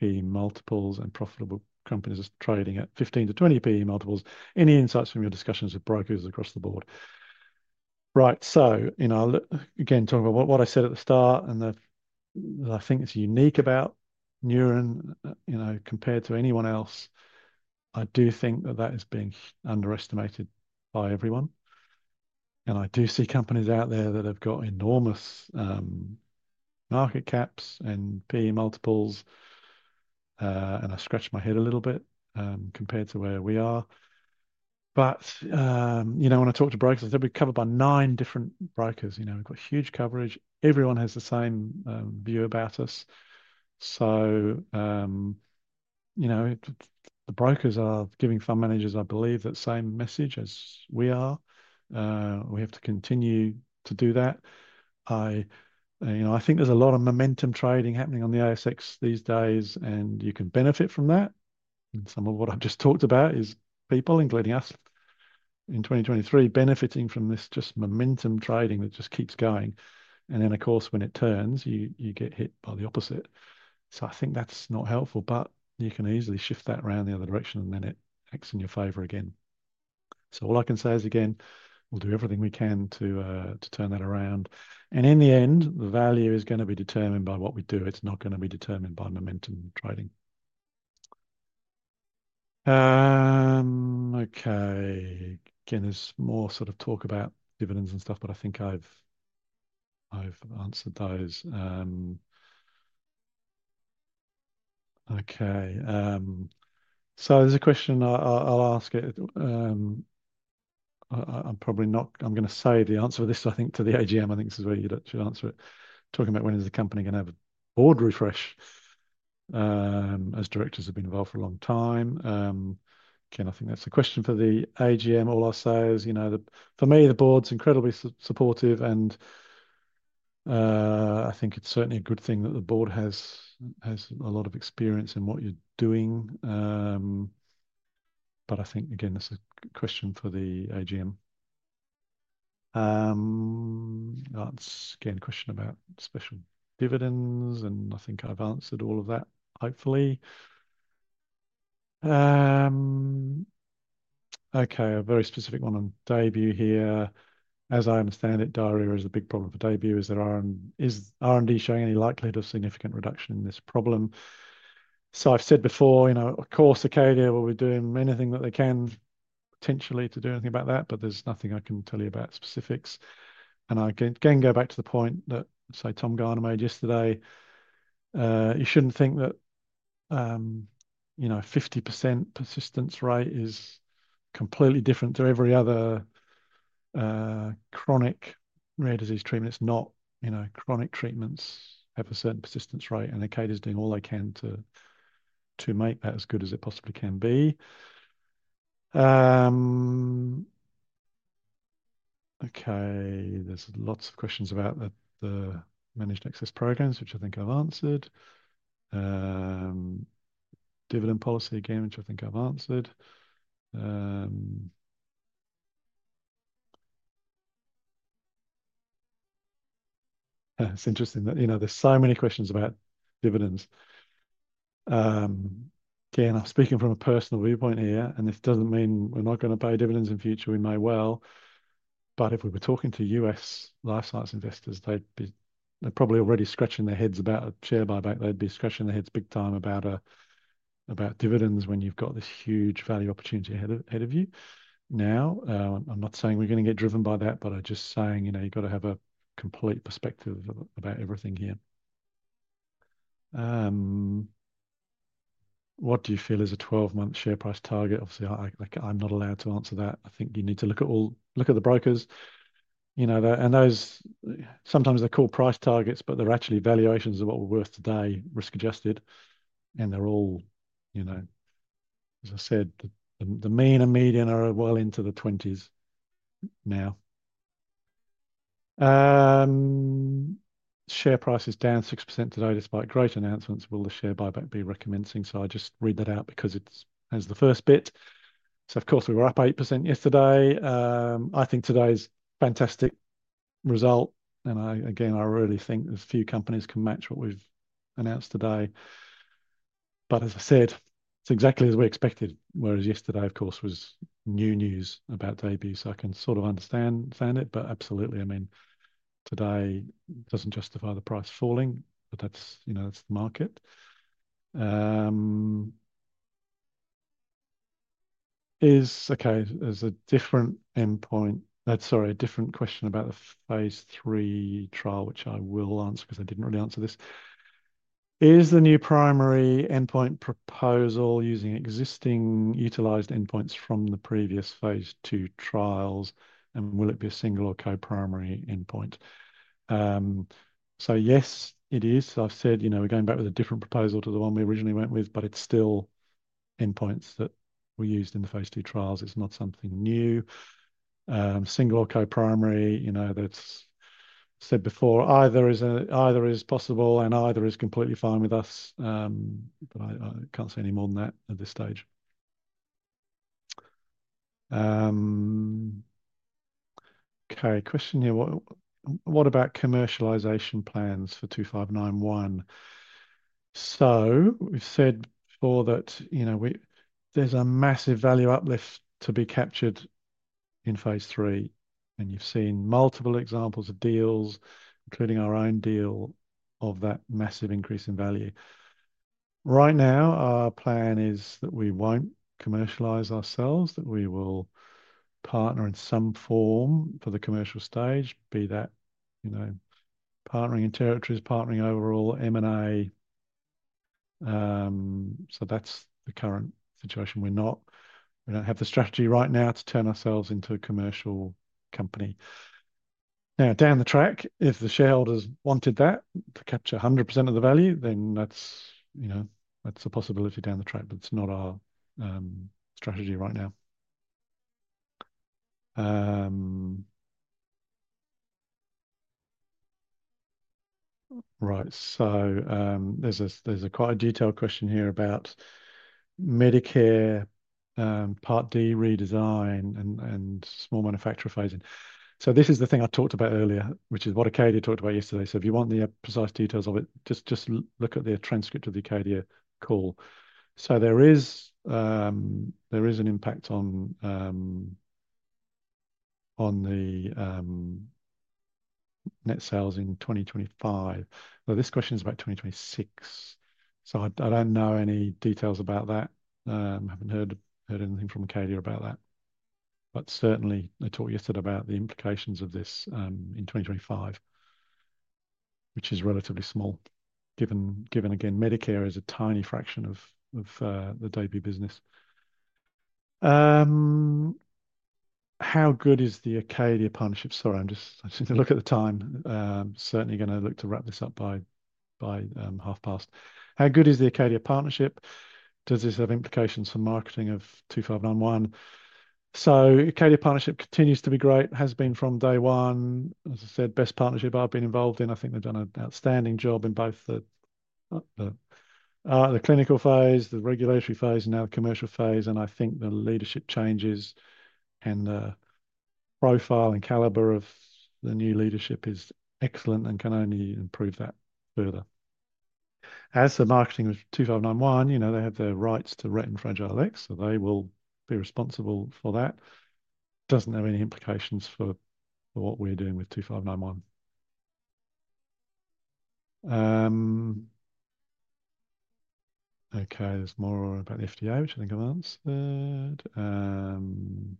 multiples, and profitable companies are trading at 15 to 20 multiples. Any insights from your discussions with brokers across the board? Right. Again, talking about what I said at the start and that I think is unique about Neuren compared to anyone else, I do think that that is being underestimated by everyone. I do see companies out there that have got enormous market caps and PE multiples, and I scratch my head a little bit compared to where we are. When I talked to brokers, I said, "We're covered by nine different brokers. We've got huge coverage. Everyone has the same view about us. The brokers are giving fund managers, I believe, that same message as we are. We have to continue to do that. I think there is a lot of momentum trading happening on the ASX these days, and you can benefit from that. Some of what I have just talked about is people, including us in 2023, benefiting from this just momentum trading that just keeps going. Of course, when it turns, you get hit by the opposite. I think that is not helpful, but you can easily shift that around the other direction, and then it acts in your favor again. All I can say is, again, we will do everything we can to turn that around. In the end, the value is going to be determined by what we do. It is not going to be determined by momentum trading. Okay. Again, there's more sort of talk about dividends and stuff, but I think I've answered those. Okay. So there's a question I'll ask it. I'm probably not going to say the answer with this, I think, to the AGM. I think this is where you should answer it. Talking about when is the company going to have a board refresh? As directors have been involved for a long time. Again, I think that's a question for the AGM. All I'll say is, for me, the board's incredibly supportive, and I think it's certainly a good thing that the board has a lot of experience in what you're doing. I think, again, this is a question for the AGM. That's again a question about special dividends, and I think I've answered all of that, hopefully. Okay. A very specific one on DAYBUE here. As I understand it, diarrhea is a big problem for DAYBUE. Is R&D showing any likelihood of significant reduction in this problem? I have said before, of course, Acadia will be doing anything that they can potentially to do anything about that, but there is nothing I can tell you about specifics. I again go back to the point that, say, Tom Garner made yesterday. You should not think that 50% persistence rate is completely different to every other chronic rare disease treatment. It is not. Chronic treatments have a certain persistence rate, and Acadia is doing all they can to make that as good as it possibly can be. There are lots of questions about the managed access programs, which I think I have answered. Dividend policy again, which I think I have answered. It is interesting that there are so many questions about dividends. Again, I'm speaking from a personal viewpoint here, and this doesn't mean we're not going to pay dividends in future. We may well. If we were talking to U.S. life science investors, they'd be probably already scratching their heads about a share buyback. They'd be scratching their heads big time about dividends when you've got this huge value opportunity ahead of you. Now, I'm not saying we're going to get driven by that, but I'm just saying you've got to have a complete perspective about everything here. What do you feel is a 12-month share price target? Obviously, I'm not allowed to answer that. I think you need to look at the brokers. Sometimes they're called price targets, but they're actually valuations of what we're worth today, risk-adjusted. They're all, as I said, the mean and median are well into the 20s now. Share price is down 6% today despite great announcements. Will the share buyback be recommencing? I just read that out because it has the first bit. Of course, we were up 8% yesterday. I think today's fantastic result. I really think there's few companies can match what we've announced today. As I said, it's exactly as we expected. Yesterday, of course, was new news about DAYBUE. I can sort of understand it, but absolutely, I mean, today doesn't justify the price falling, but that's the market. There's a different endpoint. Sorry, a different question about the phase three trial, which I will answer because I didn't really answer this. Is the new primary endpoint proposal using existing utilized endpoints from the previous phase two trials, and will it be a single or co-primary endpoint? Yes, it is. I've said we're going back with a different proposal to the one we originally went with, but it's still endpoints that were used in the phase two trials. It's not something new. Single or co-primary, that's said before. Either is possible, and either is completely fine with us. I can't say any more than that at this stage. Okay. Question here. What about commercialization plans for 2591? We've said before that there's a massive value uplift to be captured in phase three, and you've seen multiple examples of deals, including our own deal, of that massive increase in value. Right now, our plan is that we won't commercialize ourselves, that we will partner in some form for the commercial stage, be that partnering in territories, partnering overall, M&A. That's the current situation. We don't have the strategy right now to turn ourselves into a commercial company. Now, down the track, if the shareholders wanted that to capture 100% of the value, then that's a possibility down the track, but it's not our strategy right now. Right. There is a quite a detailed question here about Medicare Part D redesign and small manufacturer phasing. This is the thing I talked about earlier, which is what Acadia talked about yesterday. If you want the precise details of it, just look at the transcript of the Acadia call. There is an impact on the net sales in 2025. This question is about 2026. I don't know any details about that. I haven't heard anything from Acadia about that. Certainly, I talked yesterday about the implications of this in 2025, which is relatively small, given, again, Medicare is a tiny fraction of the DAYBUE business. How good is the Acadia partnership? Sorry, I'm just looking at the time. Certainly going to look to wrap this up by half past. How good is the Acadia partnership? Does this have implications for marketing of NNZ-2591? The Acadia partnership continues to be great, has been from day one. As I said, best partnership I've been involved in. I think they've done an outstanding job in both the clinical phase, the regulatory phase, and now the commercial phase. I think the leadership changes and the profile and caliber of the new leadership is excellent and can only improve that further. As for marketing with NNZ-2591, they have their rights to Rett and Fragile X, so they will be responsible for that. Doesn't have any implications for what we're doing with NNZ-2591. Okay. There's more about the FDA, which I think I've answered.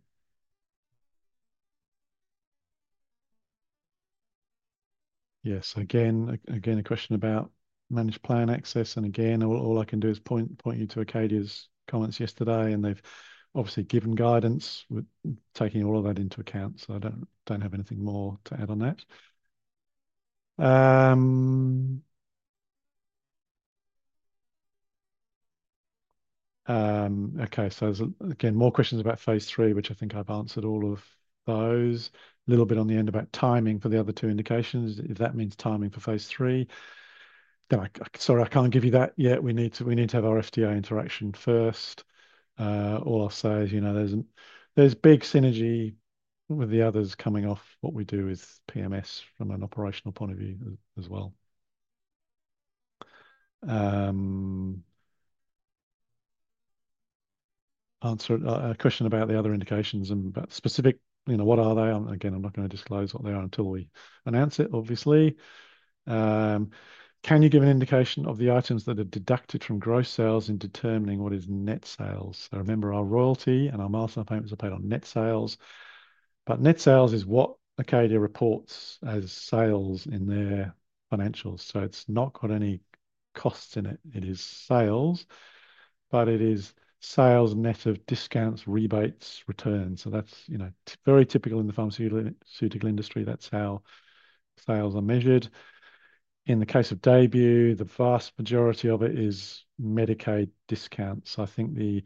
Yes. Again, a question about managed plan access. All I can do is point you to Acadia's comments yesterday, and they've obviously given guidance, taking all of that into account. I don't have anything more to add on that. Okay. Again, more questions about phase three, which I think I've answered all of those. A little bit on the end about timing for the other two indications, if that means timing for phase three. Sorry, I can't give you that yet. We need to have our FDA interaction first. All I'll say is there's big synergy with the others coming off what we do with PMS from an operational point of view as well. A question about the other indications and specific, what are they? Again, I'm not going to disclose what they are until we announce it, obviously. Can you give an indication of the items that are deducted from gross sales in determining what is net sales? I remember our royalty and our milestone payments are paid on net sales. Net sales is what Acadia reports as sales in their financials. It is not got any costs in it. It is sales, but it is sales net of discounts, rebates, returns. That is very typical in the pharmaceutical industry. That is how sales are measured. In the case of DAYBUE, the vast majority of it is Medicaid discounts. I think they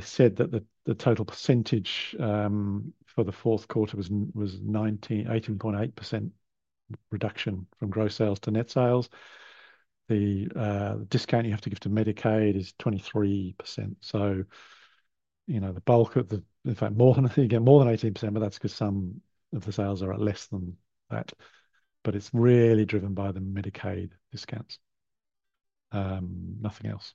said that the total percentage for the fourth quarter was 18.8% reduction from gross sales to net sales. The discount you have to give to Medicaid is 23%. The bulk of the, in fact, more than 18%, but that is because some of the sales are at less than that. It's really driven by the Medicaid discounts. Nothing else.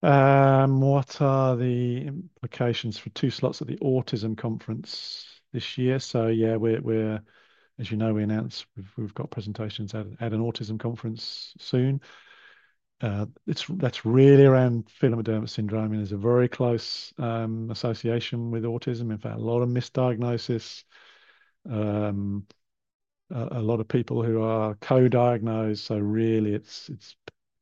What are the implications for two slots at the Autism Conference this year? Yeah, as you know, we announced we've got presentations at an Autism Conference soon. That's really around Phelan-McDermid syndrome. There's a very close association with autism. In fact, a lot of misdiagnosis, a lot of people who are co-diagnosed. Really, it's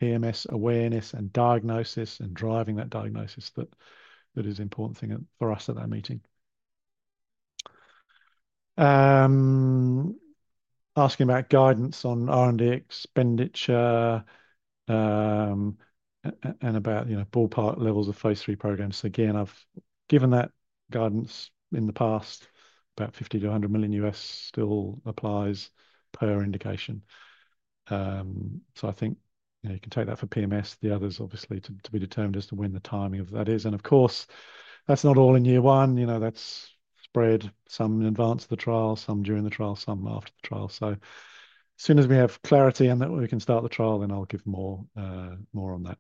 PMS awareness and diagnosis and driving that diagnosis that is an important thing for us at that meeting. Asking about guidance on R&D expenditure and about ballpark levels of phase three programs. Again, I've given that guidance in the past. About $50 million to $100 million U.S. still applies per indication. I think you can take that for PMS. The others, obviously, to be determined as to when the timing of that is. Of course, that's not all in year one. That's spread some in advance of the trial, some during the trial, some after the trial. As soon as we have clarity and that we can start the trial, then I'll give more on that.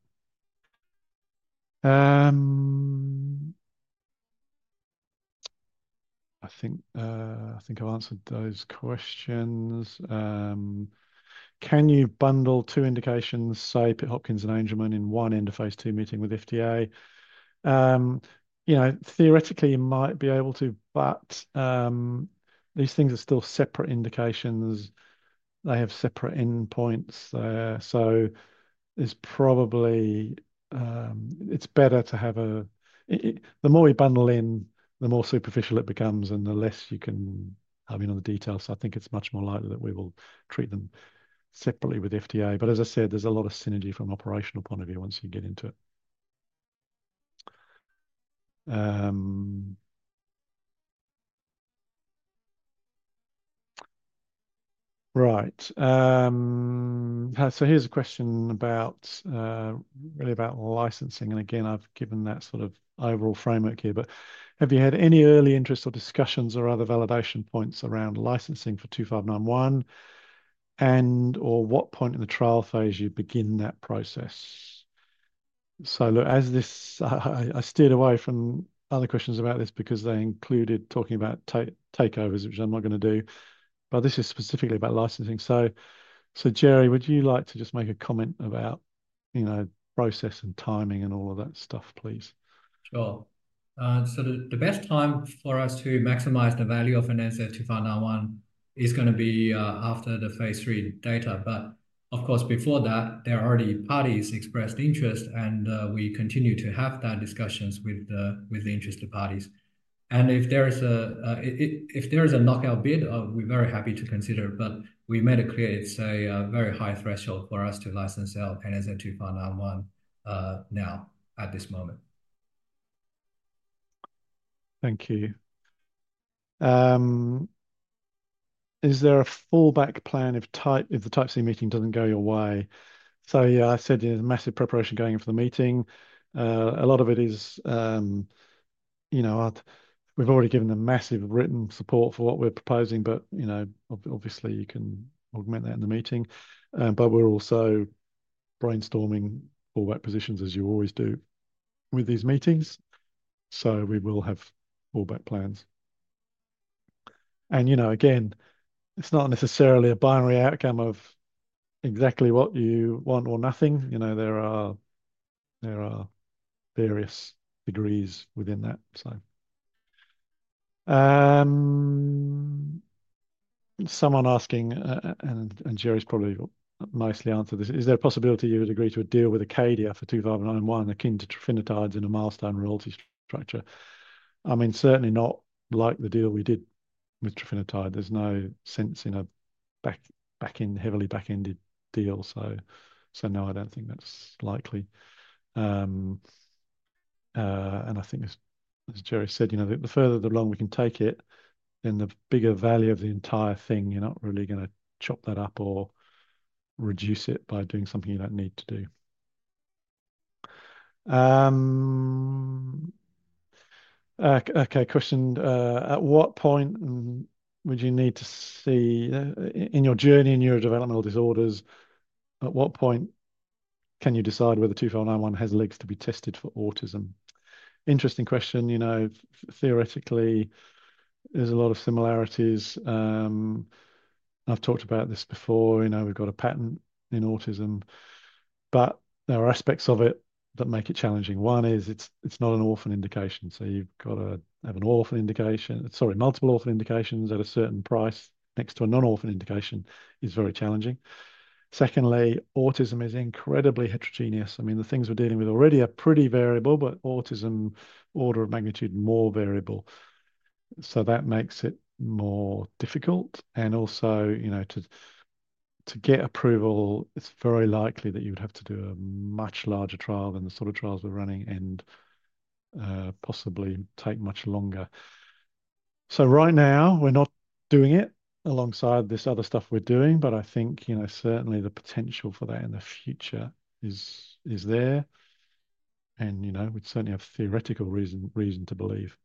I think I've answered those questions. Can you bundle two indications, say, Pitt Hopkins and Angelman in one end-of-phase two meeting with FDA? Theoretically, you might be able to, but these things are still separate indications. They have separate endpoints there. It is better to have a the more we bundle in, the more superficial it becomes, and the less you can hone in on the details. I think it's much more likely that we will treat them separately with FDA. As I said, there's a lot of synergy from an operational point of view once you get into it. Right. Here's a question really about licensing. I've given that sort of overall framework here. Have you had any early interest or discussions or other validation points around licensing for NNZ-2591 and/or what point in the trial phase you begin that process? I steered away from other questions about this because they included talking about takeovers, which I'm not going to do. This is specifically about licensing. Gerry, would you like to just make a comment about process and timing and all of that stuff, please? Sure. The best time for us to maximize the value of NNZ-2591 is going to be after the phase three data. Of course, before that, there are already parties expressed interest, and we continue to have that discussion with the interested parties. If there is a knockout bid, we're very happy to consider. We made it clear it's a very high threshold for us to license out NNZ-2591 now at this moment. Thank you. Is there a fallback plan if the type C meeting doesn't go your way? Yeah, I said there's massive preparation going for the meeting. A lot of it is we've already given a massive written support for what we're proposing, but obviously, you can augment that in the meeting. We're also brainstorming fallback positions, as you always do with these meetings. We will have fallback plans. Again, it's not necessarily a binary outcome of exactly what you want or nothing. There are various degrees within that. Someone asking, and Gerry's probably mostly answered this, is there a possibility you would agree to a deal with Acadia for NNZ-2591 akin to Trofinetide in a milestone royalty structure? I mean, certainly not like the deal we did with Trofinetide. There's no sense in a heavily back-ended deal. No, I don't think that's likely. I think, as Gerry said, the further along we can take it, then the bigger value of the entire thing, you're not really going to chop that up or reduce it by doing something you don't need to do. Okay. Question. At what point would you need to see in your journey in neurodevelopmental disorders, at what point can you decide whether NNZ-2591 has legs to be tested for autism? Interesting question. Theoretically, there's a lot of similarities. I've talked about this before. We've got a patent in autism, but there are aspects of it that make it challenging. One is it's not an orphan indication. You've got to have an orphan indication, sorry, multiple orphan indications at a certain price next to a non-orphan indication is very challenging. Secondly, autism is incredibly heterogeneous. I mean, the things we're dealing with already are pretty variable, but autism, order of magnitude more variable. That makes it more difficult. Also, to get approval, it's very likely that you would have to do a much larger trial than the sort of trials we're running and possibly take much longer. Right now, we're not doing it alongside this other stuff we're doing, but I think certainly the potential for that in the future is there. We'd certainly have theoretical reason to believe.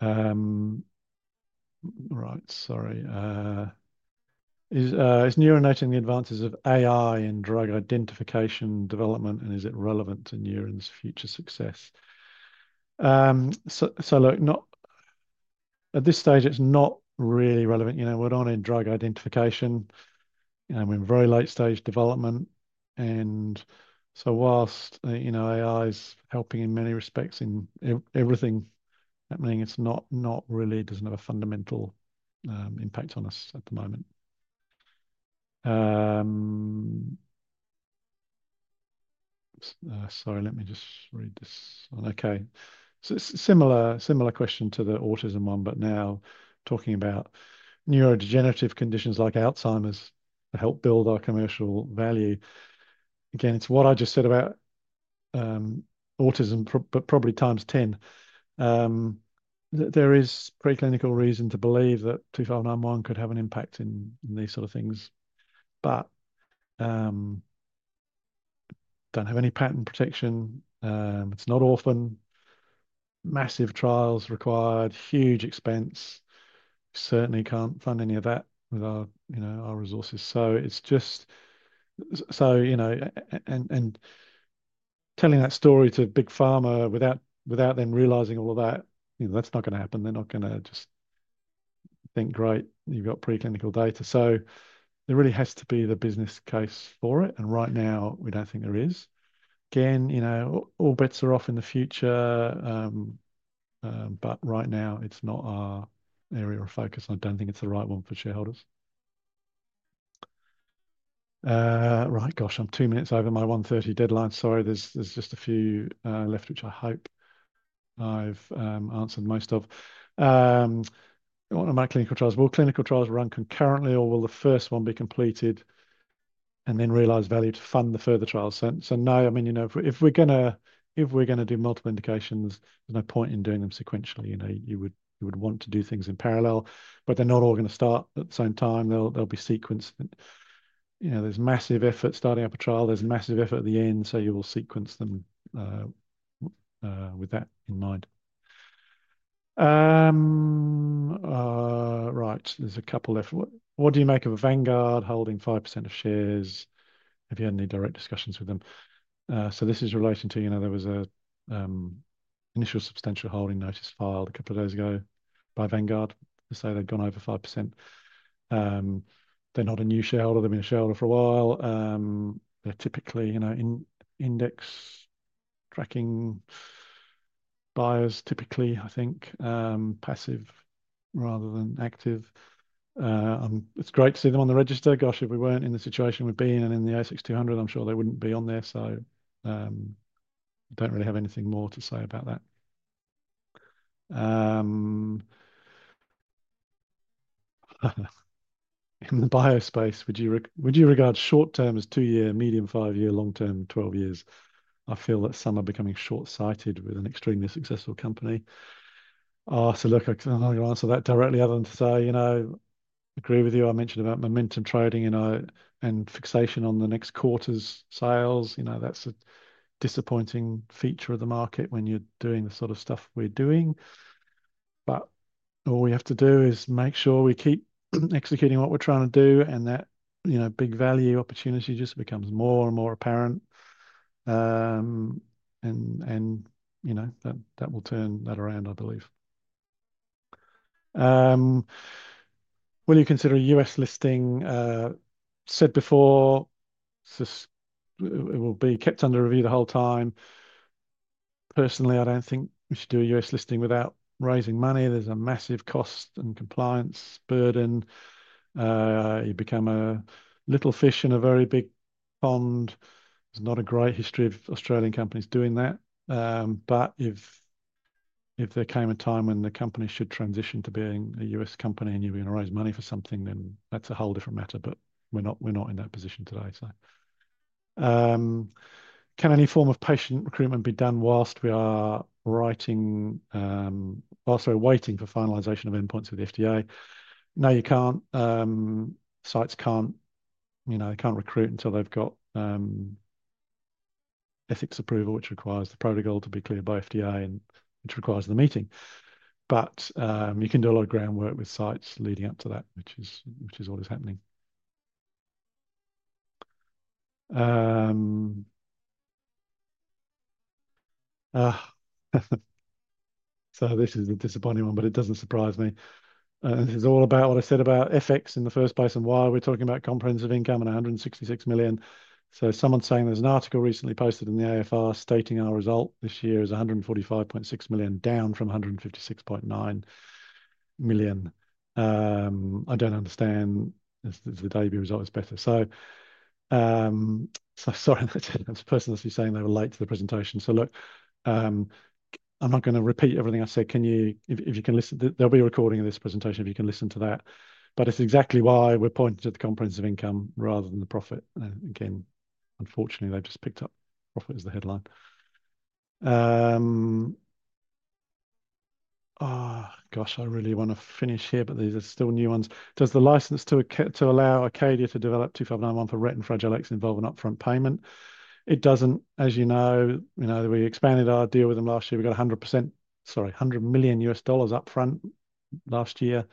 All right. Sorry. Is Neuren using the advances of AI in drug identification development, and is it relevant to Neuren's future success? Look, at this stage, it's not really relevant. We're on in drug identification. We're in very late-stage development. Whilst AI is helping in many respects in everything happening, it doesn't really have a fundamental impact on us at the moment. Sorry, let me just read this one. Okay. Similar question to the autism one, but now talking about neurodegenerative conditions like Alzheimer's to help build our commercial value. Again, it's what I just said about autism, but probably times 10. There is preclinical reason to believe that NNZ-2591 could have an impact in these sort of things, but don't have any patent protection. It's not orphan. Massive trials required, huge expense. Certainly can't fund any of that with our resources. It's just so and telling that story to Big Pharma without them realizing all of that, that's not going to happen. They're not going to just think, "Great, you've got preclinical data." There really has to be the business case for it. Right now, we don't think there is. Again, all bets are off in the future, but right now, it's not our area of focus. I don't think it's the right one for shareholders. Right. Gosh, I'm two minutes over my 1:30 deadline. Sorry. There's just a few left, which I hope I've answered most of. What are my clinical trials? Will clinical trials run concurrently, or will the first one be completed and then realize value to fund the further trials? No, I mean, if we're going to do multiple indications, there's no point in doing them sequentially. You would want to do things in parallel, but they're not all going to start at the same time. They'll be sequenced. There's massive effort starting up a trial. There's massive effort at the end. You will sequence them with that in mind. Right. There's a couple of what do you make of Vanguard holding 5% of shares? Have you had any direct discussions with them? This is relating to there was an initial substantial holding notice filed a couple of days ago by Vanguard to say they'd gone over 5%. They're not a new shareholder. They've been a shareholder for a while. They're typically index tracking buyers, typically, I think, passive rather than active. It's great to see them on the register. Gosh, if we weren't in the situation we've been in and in the ASX 200, I'm sure they wouldn't be on there. I don't really have anything more to say about that. In the bio space, would you regard short-term as two-year, medium-five-year, long-term, 12 years? I feel that some are becoming short-sighted with an extremely successful company. Look, I'm not going to answer that directly other than to say, agree with you. I mentioned about momentum trading and fixation on the next quarter's sales. That's a disappointing feature of the market when you're doing the sort of stuff we're doing. All we have to do is make sure we keep executing what we're trying to do and that big value opportunity just becomes more and more apparent. That will turn that around, I believe. Will you consider U.S. listing? Said before, it will be kept under review the whole time. Personally, I don't think we should do a U.S. listing without raising money. There's a massive cost and compliance burden. You become a little fish in a very big pond. There's not a great history of Australian companies doing that. If there came a time when the company should transition to being a U.S. company and you were going to raise money for something, then that's a whole different matter. We're not in that position today. Can any form of patient recruitment be done whilst we are writing or, sorry, waiting for finalization of endpoints with the FDA? No, you can't. Sites can't recruit until they've got ethics approval, which requires the protocol to be cleared by FDA, which requires the meeting. You can do a lot of groundwork with sites leading up to that, which is what is happening. This is the disappointing one, but it doesn't surprise me. This is all about what I said about FX in the first place and why we're talking about comprehensive income and $166 million. Someone's saying there's an article recently posted in the AFR stating our result this year is 145.6 million, down from 156.9 million. I don't understand. The day-to-day result is better. Sorry, I was personally saying they were late to the presentation. Look, I'm not going to repeat everything I said. If you can listen, there'll be a recording of this presentation if you can listen to that. It's exactly why we're pointing to the comprehensive income rather than the profit. Again, unfortunately, they've just picked up profit as the headline. Gosh, I really want to finish here, but these are still new ones. Does the license to allow Acadia to develop NNZ-2591 for Rett and Fragile X involve an upfront payment? It doesn't. As you know, we expanded our deal with them last year. We got $100 million upfront last year.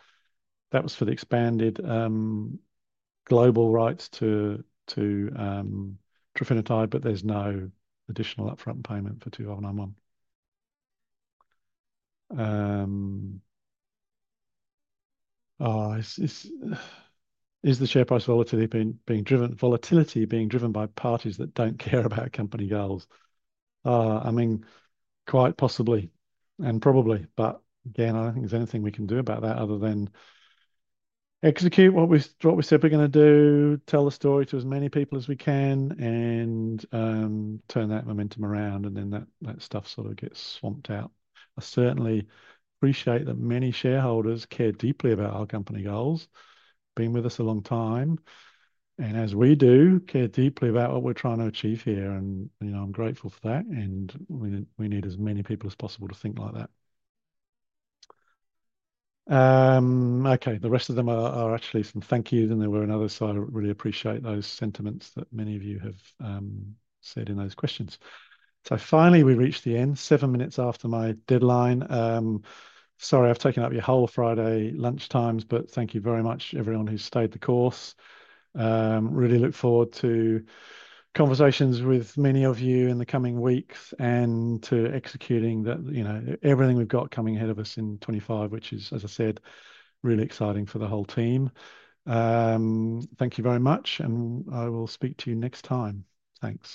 That was for the expanded global rights to Trofinetide, but there's no additional upfront payment for NNZ-2591. Is the share price volatility being driven by parties that don't care about company goals? I mean, quite possibly and probably. I don't think there's anything we can do about that other than execute what we said we're going to do, tell the story to as many people as we can, and turn that momentum around, and then that stuff sort of gets swamped out. I certainly appreciate that many shareholders care deeply about our company goals, been with us a long time, and as we do, care deeply about what we're trying to achieve here. I'm grateful for that. We need as many people as possible to think like that. Okay. The rest of them are actually some thank you, and there were another side of really appreciate those sentiments that many of you have said in those questions. Finally, we've reached the end, seven minutes after my deadline. Sorry, I've taken up your whole Friday lunchtimes, but thank you very much, everyone who stayed the course. Really look forward to conversations with many of you in the coming weeks and to executing everything we've got coming ahead of us in 2025, which is, as I said, really exciting for the whole team. Thank you very much, and I will speak to you next time. Thanks.